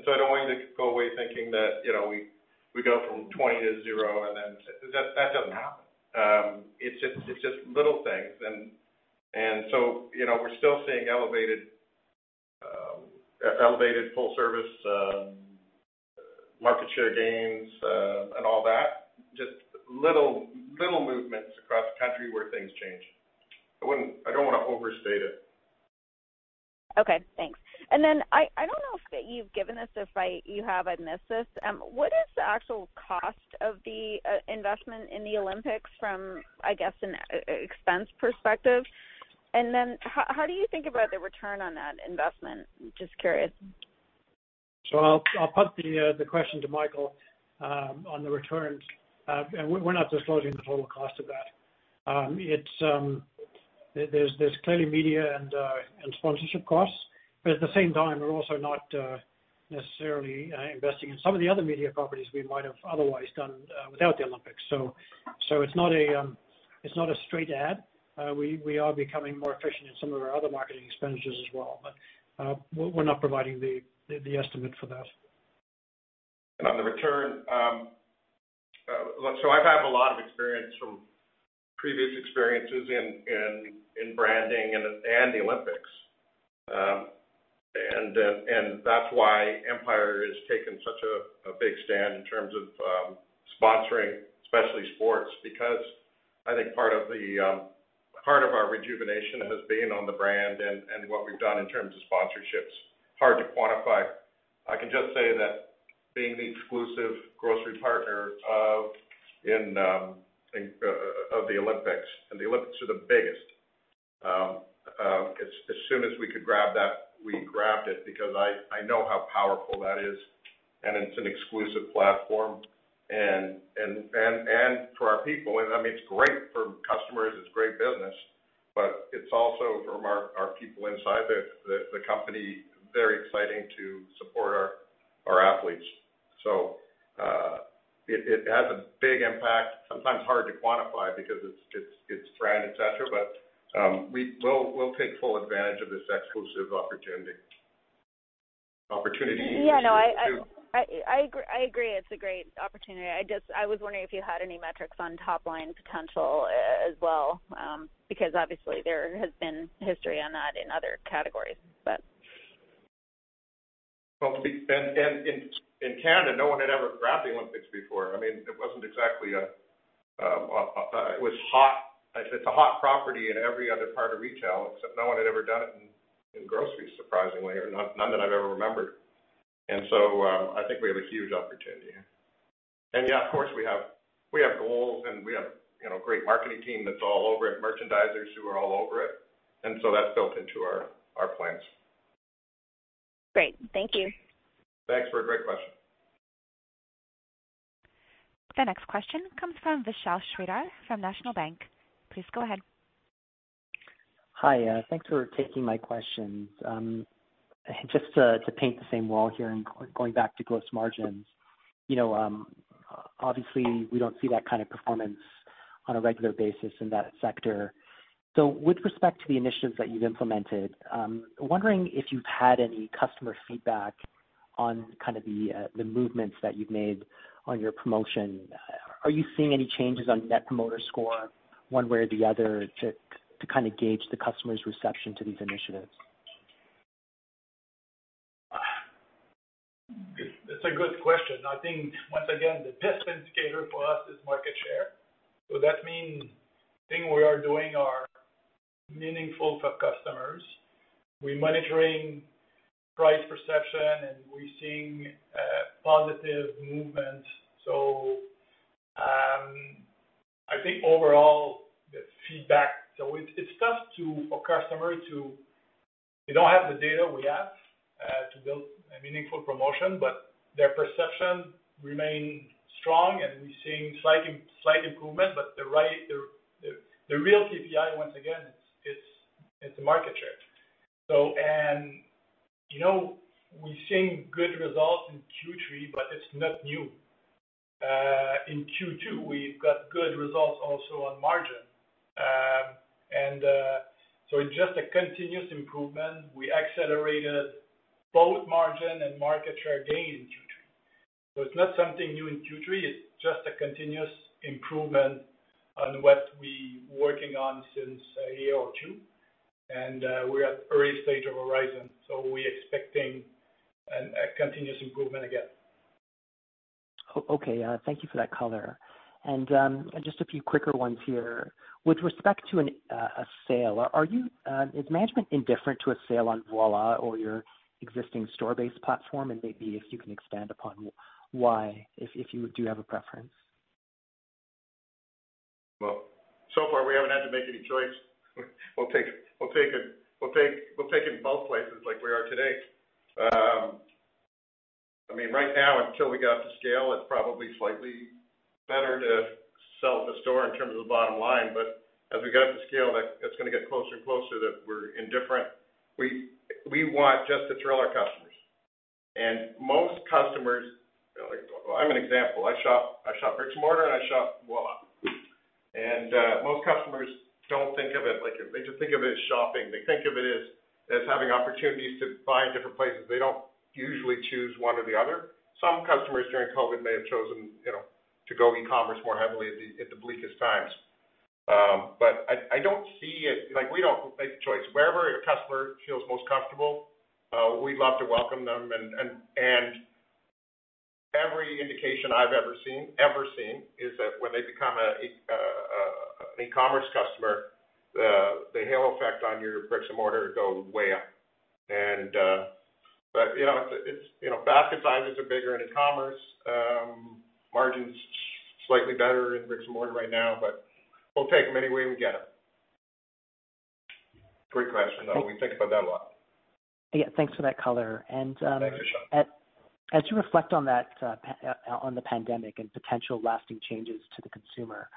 I don't want you to go away thinking that we go from 20 to zero. That doesn't happen. It's just little things, and so we're still seeing elevated full-service market share gains, and all that. Just little movements across the country where things change. I don't want to overstate it. Okay, thanks. I don't know if you've given us, if you have, I missed this. What is the actual cost of the investment in the Olympics from, I guess, an expense perspective? How do you think about the return on that investment? Just curious. I'll punt the question to Michael on the returns. We're not disclosing the total cost of that. There's clearly media and sponsorship costs, but at the same time, we're also not necessarily investing in some of the other media properties we might have otherwise done without the Olympics. It's not a straight add. We are becoming more efficient in some of our other marketing expenditures as well, but we're not providing the estimate for that. On the return, I have a lot of experience from previous experiences in branding and the Olympics. That's why Empire has taken such a big stand in terms of sponsoring specialty sports because I think part of our rejuvenation has been on the brand and what we've done in terms of sponsorships, hard to quantify. I can just say that being the exclusive grocery partner of the Olympics, and the Olympics are the biggest. As soon as we could grab that, we grabbed it because I know how powerful that is, and it's an exclusive platform, and for our people, and it's great for customers, it's great business, but it's also from our people inside the company, very exciting to support our athletes. It has a big impact. Sometimes hard to quantify because it's brand, et cetera, but, we'll take full advantage of this exclusive opportunity. Yeah, no, I agree. It's a great opportunity. I was wondering if you had any metrics on top-line potential as well, because obviously there has been history on that in other categories. In Canada, no one had ever grabbed the Olympics before. It's a hot property in every other part of retail, except no one had ever done it in grocery, surprisingly, or none that I've ever remembered. I think we have a huge opportunity. Of course, we have goals and we have a great marketing team that's all over it, merchandisers who are all over it. That's built into our plans. Great. Thank you. Thanks for a great question. The next question comes from Vishal Shreedhar from National Bank. Please go ahead. Hi. Thanks for taking my questions. Just to paint the same wall here and going back to gross margins. Obviously, we don't see that kind of performance on a regular basis in that sector. With respect to the initiatives that you've implemented, I'm wondering if you've had any customer feedback on kind of the movements that you've made on your promotion. Are you seeing any changes on net promoter score one way or the other to kind of gauge the customer's reception to these initiatives? It's a good question. I think, once again, the best indicator for us is market share. That means things we are doing are meaningful for customers. We're monitoring price perception, and we're seeing positive movement. I think overall, they don't have the data we have to build a meaningful promotion, but their perception remains strong, and we're seeing slight improvement, but the real KPI, once again, it's the market share. We're seeing good results in Q3, but it's not new. In Q2, we've got good results also on margin. It's just a continuous improvement. We accelerated both margin and market share gain in Q3. It's not something new in Q3, it's just a continuous improvement on what we working on since a year or two. We're at early stage of Horizon, so we're expecting a continuous improvement again. Okay, thank you for that color. Just a few quicker ones here. With respect to a sale, is management indifferent to a sale on Voilà or your existing store-based platform? Maybe if you can expand upon why, if you do have a preference. So far, we haven't had to make any choice. We'll take it in both places like we are today. Right now, until we got to scale, it's probably slightly better to sell at the store in terms of the bottom line. As we got to scale, that's going to get closer and closer that we're indifferent. We want just to thrill our customers. Most customers, I'm an example, I shop bricks and mortar and I shop Voilà. Most customers don't think of it like. They just think of it as shopping. They think of it as having opportunities to buy in different places. They don't usually choose one or the other. Some customers during COVID may have chosen to go e-commerce more heavily at the bleakest times. We don't make the choice. Wherever a customer feels most comfortable, we love to welcome them and every indication I've ever seen is that when they become an e-commerce customer, the halo effect on your bricks and mortar goes way up. Basket sizes are bigger in e-commerce, margins slightly better in bricks and mortar right now, but we'll take them any way we get them. Great question, though. We think about that a lot. Yeah, thanks for that color. Thanks, Vishal. As you reflect on the pandemic and potential lasting changes to the consumer,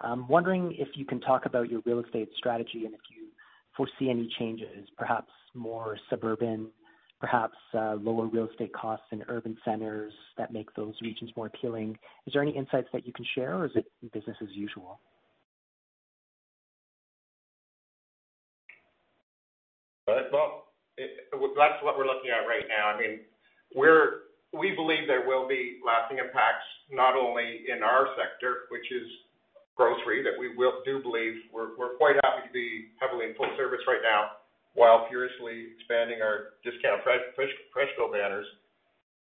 I'm wondering if you can talk about your real estate strategy and if you foresee any changes, perhaps more suburban, perhaps lower real estate costs in urban centers that make those regions more appealing. Is there any insights that you can share or is it business as usual? That's what we're looking at right now. We believe there will be lasting impacts, not only in our sector, which is grocery, that we do believe we're quite happy to be heavily in full service right now while furiously expanding our discount FreshCo banners.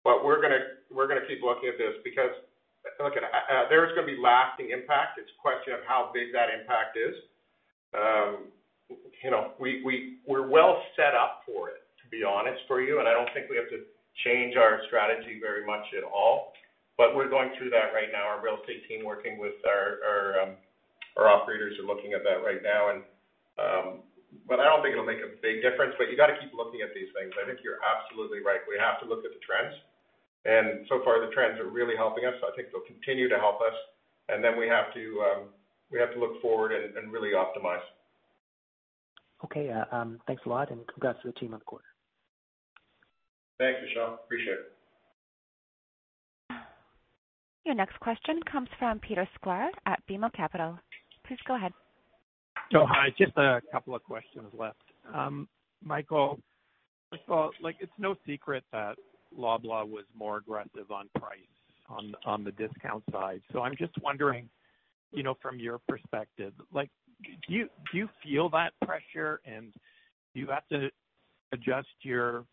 We're going to keep looking at this because there is going to be lasting impact. It's a question of how big that impact is. We're well set up for it, to be honest for you, and I don't think we have to change our strategy very much at all, but we're going through that right now. Our real estate team, working with our operators are looking at that right now, but I don't think it'll make a big difference. You got to keep looking at these things. I think you're absolutely right. We have to look at the trends, and so far, the trends are really helping us. I think they'll continue to help us, and then we have to look forward and really optimize. Okay, thanks a lot. Congrats to the team on the quarter. Thanks, Vishal. Appreciate it. Your next question comes from Peter Sklar at BMO Capital. Please go ahead. Hi. Just a couple of questions left. Michael, first of all, it's no secret that Voilà was more aggressive on price on the discount side. I'm just wondering from your perspective, do you feel that pressure and do you have to adjust your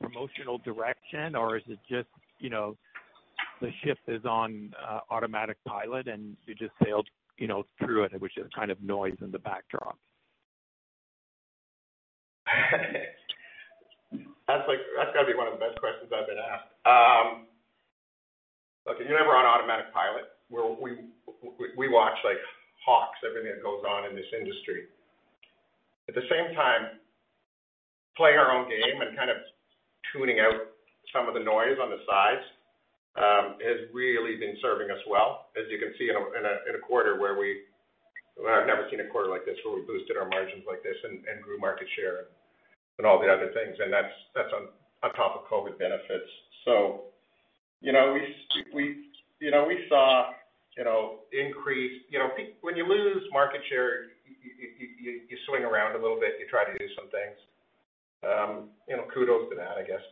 promotional direction or is it just the ship is on automatic pilot and you just sailed through it with just noise in the backdrop? That's got to be one of the best questions I've been asked. You're never on automatic pilot. We watch like hawks everything that goes on in this industry. At the same time, playing our own game and kind of tuning out some of the noise on the sides has really been serving us well, as you can see in a quarter where we I've never seen a quarter like this where we boosted our margins like this and grew market share and all the other things, and that's on top of COVID benefits. We saw increase. When you lose market share, you swing around a little bit. You try to do some things. Kudos to that, I guess.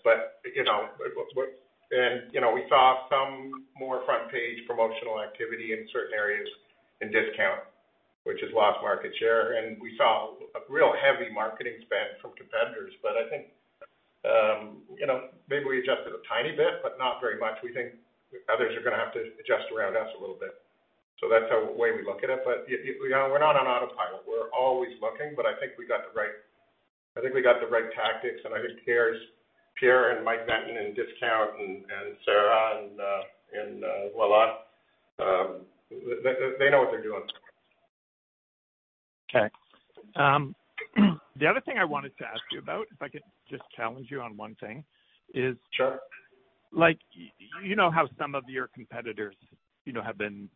We saw some more front page promotional activity in certain areas in discount, which has lost market share, and we saw a real heavy marketing spend from competitors. I think maybe we adjusted a tiny bit, but not very much. We think others are going to have to adjust around us a little bit. That's the way we look at it. We're not on autopilot. We're always looking, but I think we got the right tactics and I think Pierre and Mike Benton in discount and Sarah in Loblaw, they know what they're doing. Okay. The other thing I wanted to ask you about, if I could just challenge you on one thing. Sure How some of your competitors have been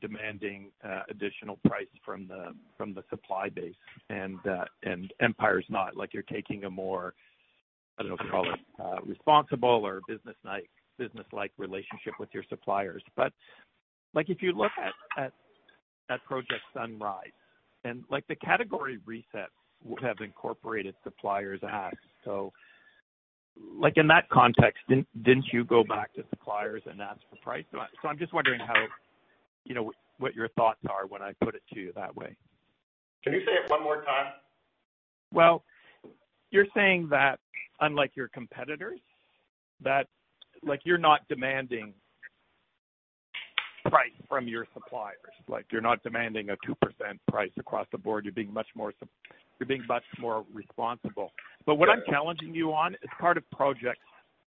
demanding additional price from the supply base and Empire's not. Like you're taking a more, I don't know if you call it responsible or business-like relationship with your suppliers. If you look at Project Sunrise and the category resets would have incorporated suppliers asks. In that context, didn't you go back to suppliers and ask for price? I'm just wondering what your thoughts are when I put it to you that way. Can you say it one more time? Well, you're saying that unlike your competitors, that you're not demanding price from your suppliers. You're not demanding a 2% price across the board. You're being much more responsible. What I'm challenging you on is part of Project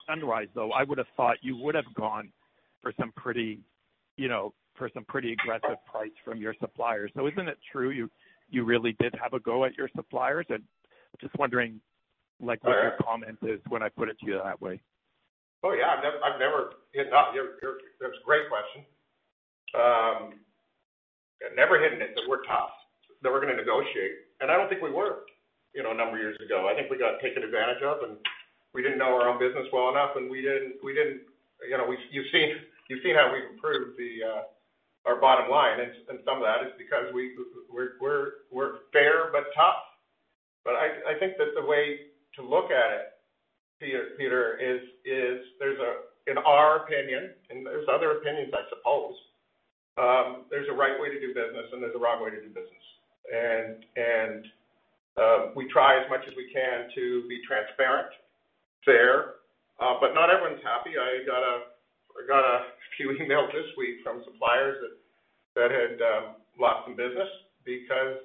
Sunrise, though, I would have thought you would have gone for some pretty aggressive price from your suppliers. Isn't it true you really did have a go at your suppliers? Just wondering what your comment is when I put it to you that way. Yeah. That's a great question. I've never hidden it that we're tough, that we're going to negotiate. I don't think we were a number of years ago. I think we got taken advantage of. We didn't know our own business well enough. You've seen how we've improved our bottom line. Some of that is because we're fair but tough. I think that the way to look at it, Peter, is in our opinion. There's other opinions, I suppose. There's a right way to do business and there's a wrong way to do business. We try as much as we can to be transparent, fair. Not everyone's happy. I got a few emails this week from suppliers that had lost some business because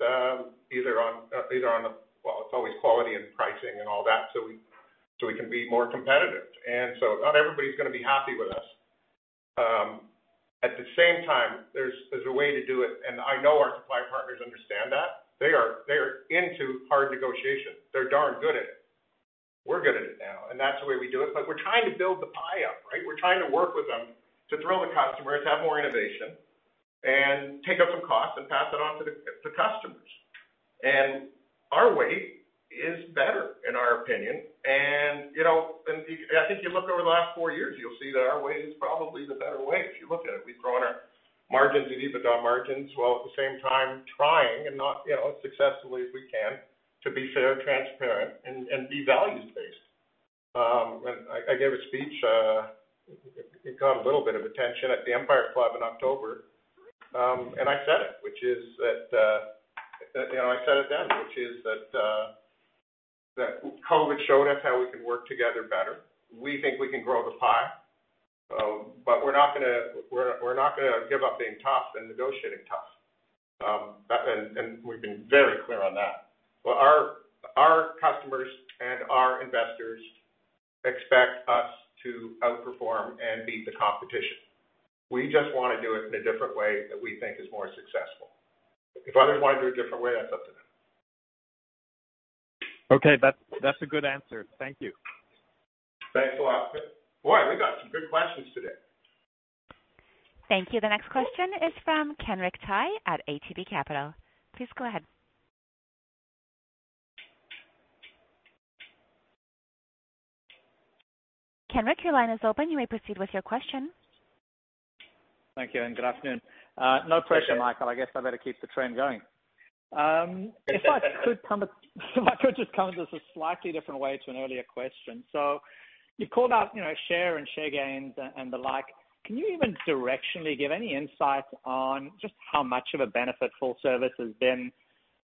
it's always quality and pricing and all that, so we can be more competitive. Not everybody's going to be happy with us. At the same time, there's a way to do it, and I know our supply partners understand that. They are into hard negotiation. They're darn good at it. We're good at it now, and that's the way we do it. We're trying to build the pie up, right? We're trying to work with them to thrill the customers, have more innovation, and take up some costs and pass that on to customers. Our way is better, in our opinion. I think you look over the last four years, you'll see that our way is probably the better way if you look at it. We've grown our margins and EBITDA margins while at the same time trying, and not successfully as we can, to be fair, transparent, and be values-based. I gave a speech. It got a little bit of attention at the Empire Club in October. I said it then, which is that COVID showed us how we can work together better. We think we can grow the pie. We're not going to give up being tough and negotiating tough. We've been very clear on that. Our customers and our investors expect us to outperform and beat the competition. We just want to do it in a different way that we think is more successful. If others want to do it a different way, that's up to them. Okay. That's a good answer. Thank you. Thanks a lot. Boy, we got some good questions today. Thank you. The next question is from Kenric Tyghe at ATB Capital. Please go ahead. Kenric, your line is open. You may proceed with your question. Thank you, good afternoon. No pressure, Michael, I guess I better keep the trend going. If I could just come to this a slightly different way to an earlier question. You called out share and share gains and the like. Can you even directionally give any insight on just how much of a benefit full service has been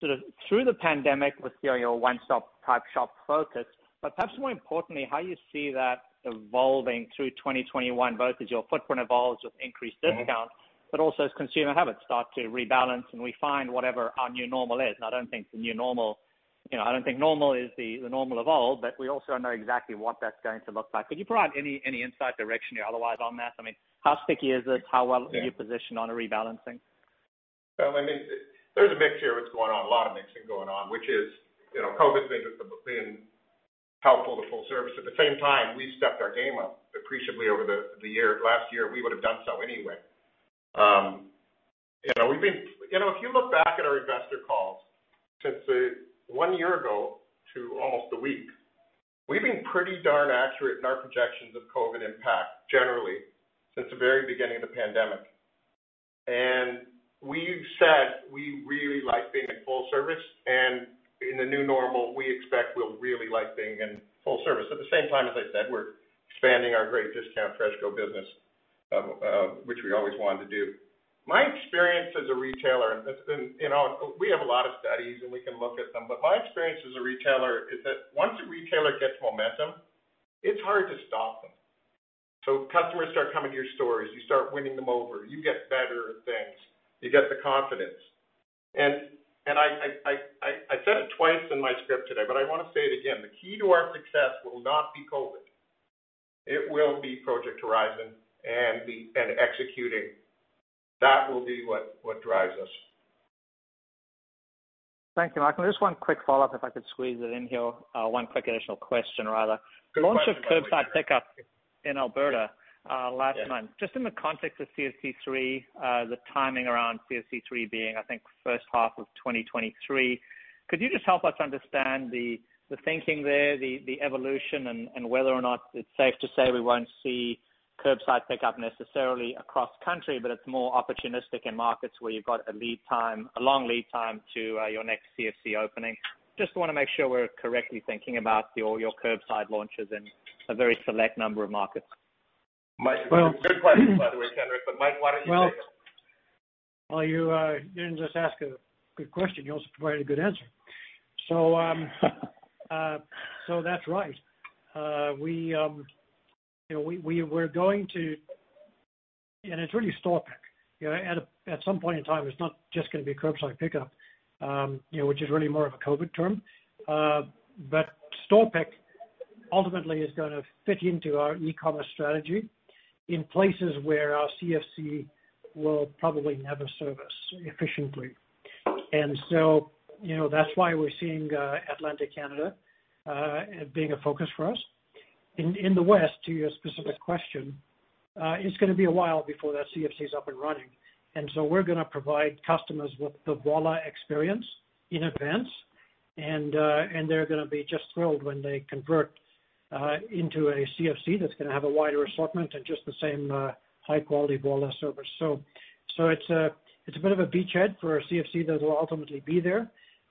sort of through the pandemic with your one-stop type shop focus, but perhaps more importantly, how you see that evolving through 2021, both as your footprint evolves with increased discounts, but also as consumer habits start to rebalance and we find whatever our new normal is? I don't think normal is the normal of old, but we also know exactly what that's going to look like. Could you provide any insight, directionally or otherwise on that? I mean, how sticky is it? How well are you positioned on a rebalancing? There's a mixture of what's going on, a lot of mixing going on, which is COVID's been helpful to full service. At the same time, we stepped our game up appreciably over the year. Last year, we would have done so anyway. If you look back at our investor calls since one year ago to almost a week, we've been pretty darn accurate in our projections of COVID impact, generally, since the very beginning of the pandemic. We've said we really like being in full service, and in the new normal, we expect we'll really like being in full service. At the same time, as I said, we're expanding our great discount FreshCo business, which we always wanted to do. My experience as a retailer, and we have a lot of studies and we can look at them, but my experience as a retailer is that once a retailer gets momentum, it's hard to stop them. Customers start coming to your stores, you start winning them over. You get better at things. You get the confidence. I said it twice in my script today, but I want to say it again. The key to our success will not be COVID. It will be Project Horizon and executing. That will be what drives us. Thank you, Michael. Just one quick follow-up, if I could squeeze it in here. One quick additional question, rather. Good question. Launch of curbside pickup in Alberta last month. Yeah. Just in the context of CFC3, the timing around CFC3 being, I think, first half of 2023, could you just help us understand the thinking there, the evolution, and whether or not it's safe to say we won't see curbside pickup necessarily across country, but it's more opportunistic in markets where you've got a long lead time to your next CFC opening? Just want to make sure we're correctly thinking about all your curbside launches in a very select number of markets. Mike. Good question, by the way, Kenric, but Mike, why don't you take it? You didn't just ask a good question, you also provided a good answer. That's right. It's really store pick. At some point in time, it's not just going to be curbside pickup, which is really more of a COVID term. Store pick ultimately is going to fit into our e-commerce strategy in places where our CFC will probably never service efficiently. That's why we're seeing Atlantic Canada being a focus for us. In the West, to your specific question, it's going to be a while before that CFC is up and running. We're going to provide customers with the Voilà experience in advance, and they're going to be just thrilled when they convert into a CFC that's going to have a wider assortment and just the same high-quality Voilà service. It's a bit of a beachhead for a CFC that will ultimately be there.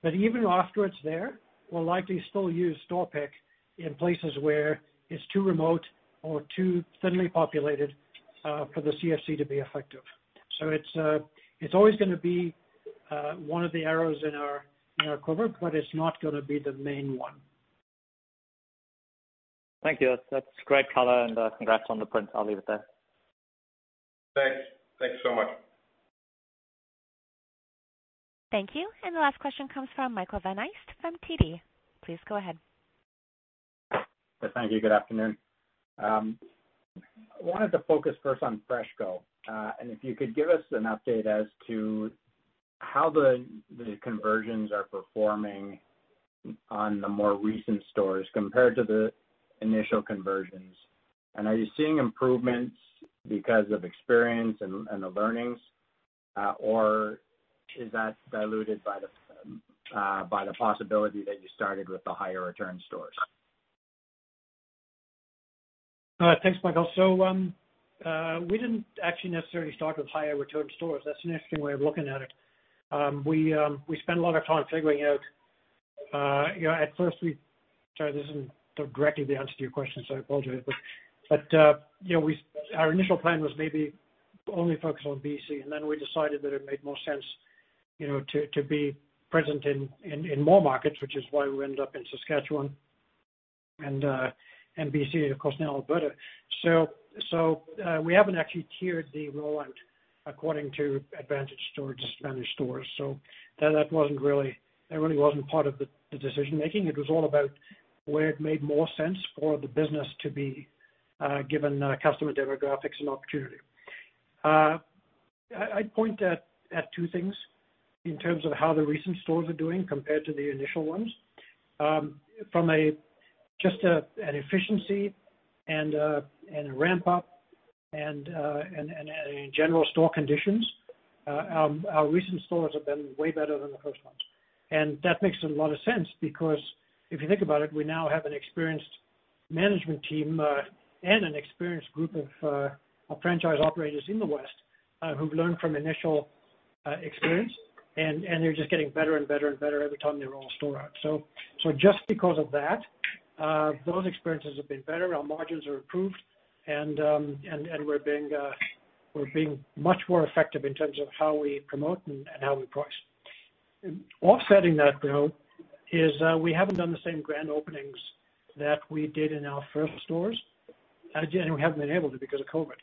Even afterwards there, we'll likely still use store pick in places where it's too remote or too thinly populated for the CFC to be effective. It's always going to be one of the arrows in our quiver, but it's not going to be the main one. Thank you. That's great color, and congrats on the print. I'll leave it there. Thanks. Thank you so much. Thank you. The last question comes from Michael Van Aelst from TD. Please go ahead. Yes, thank you. Good afternoon. I wanted to focus first on FreshCo. If you could give us an update as to how the conversions are performing on the more recent stores compared to the initial conversions. Are you seeing improvements because of experience and the learnings, or is that diluted by the possibility that you started with the higher return stores? Thanks, Michael. We didn't actually necessarily start with higher return stores. That's an interesting way of looking at it. We spent a lot of time figuring out, sorry, this isn't directly the answer to your question, so I apologize. Our initial plan was maybe only focus on BC, and then we decided that it made more sense to be present in more markets, which is why we ended up in Saskatchewan and BC, and of course, now Alberta. We haven't actually tiered the rollout according to advantage stores, managed stores. That really wasn't part of the decision-making. It was all about where it made more sense for the business to be given customer demographics and opportunity. I'd point at two things in terms of how the recent stores are doing compared to the initial ones. From just an efficiency and a ramp-up and general store conditions, our recent stores have been way better than the first ones. That makes a lot of sense because if you think about it, we now have an experienced management team and an experienced group of franchise operators in the West who've learned from initial experience, and they're just getting better and better every time they roll a store out. Just because of that, those experiences have been better. Our margins are improved, and we're being much more effective in terms of how we promote and how we price. Offsetting that, though, is we haven't done the same grand openings that we did in our first stores. Again, we haven't been able to because of COVID.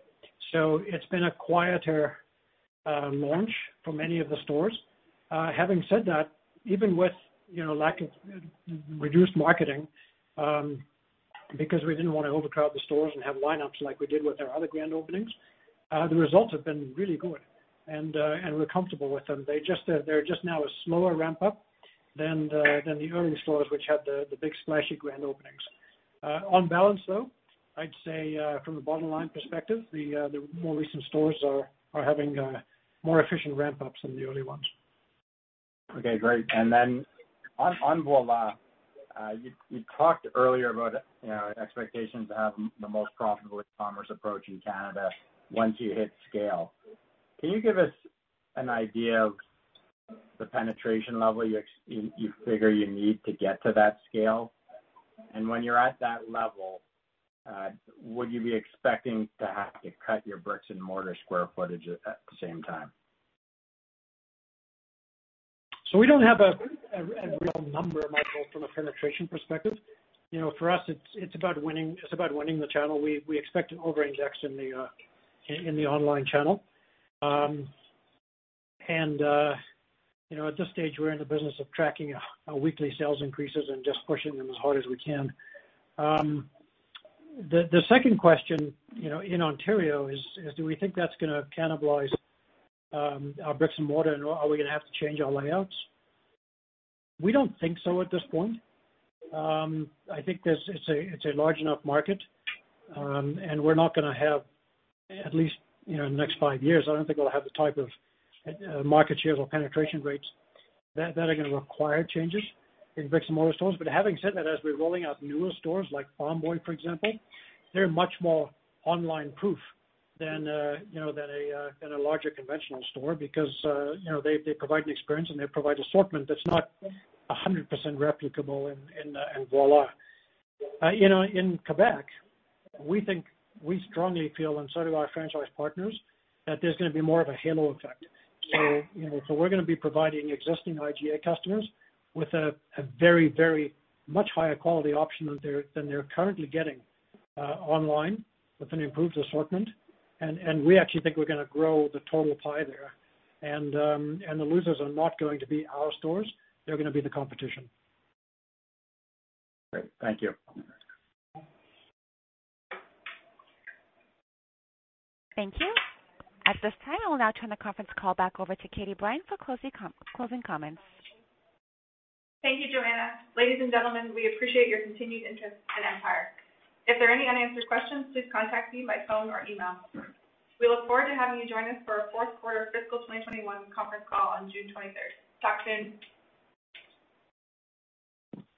It's been a quieter launch for many of the stores. Having said that, even with reduced marketing, because we didn't want to overcrowd the stores and have lineups like we did with our other grand openings, the results have been really good, and we're comfortable with them. They're just now a slower ramp-up than the early stores, which had the big splashy grand openings. On balance, though, I'd say from a bottom-line perspective, the more recent stores are having more efficient ramp-ups than the early ones. Okay, great. On Voilà, you talked earlier about expectations to have the most profitable e-commerce approach in Canada once you hit scale. Can you give us an idea of the penetration level you figure you need to get to that scale? When you're at that level, would you be expecting to have to cut your bricks-and-mortar square footage at the same time? We don't have a real number, Michael, from a penetration perspective. For us, it's about winning the channel. We expect an overindex in the online channel. At this stage, we're in the business of tracking weekly sales increases and just pushing them as hard as we can. The second question, in Ontario is, do we think that's going to cannibalize our bricks and mortar, and are we going to have to change our layouts? We don't think so at this point. I think it's a large enough market, and we're not going to have, at least in the next five years, I don't think we'll have the type of market shares or penetration rates that are going to require changes in bricks and mortar stores. Having said that, as we're rolling out newer stores like Farm Boy, for example, they're much more online-proof than a larger conventional store because they provide an experience, and they provide assortment that's not 100% replicable in Voilà. In Quebec, we strongly feel, and so do our franchise partners, that there's going to be more of a halo effect. We're going to be providing existing IGA customers with a very, very much higher quality option than they're currently getting online with an improved assortment, and we actually think we're going to grow the total pie there. The losers are not going to be our stores. They're going to be the competition. Great. Thank you. Thank you. At this time, I will now turn the conference call back over to Katie Brine for closing comments. Thank you, Joanna. Ladies and gentlemen, we appreciate your continued interest in Empire. If there are any unanswered questions, please contact me by phone or email. We look forward to having you join us for our fourth quarter fiscal 2021 conference call on June 23rd. Talk soon.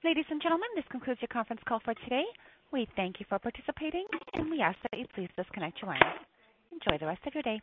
Ladies and gentlemen, this concludes your conference call for today. We thank you for participating, and we ask that you please disconnect your lines. Enjoy the rest of your day.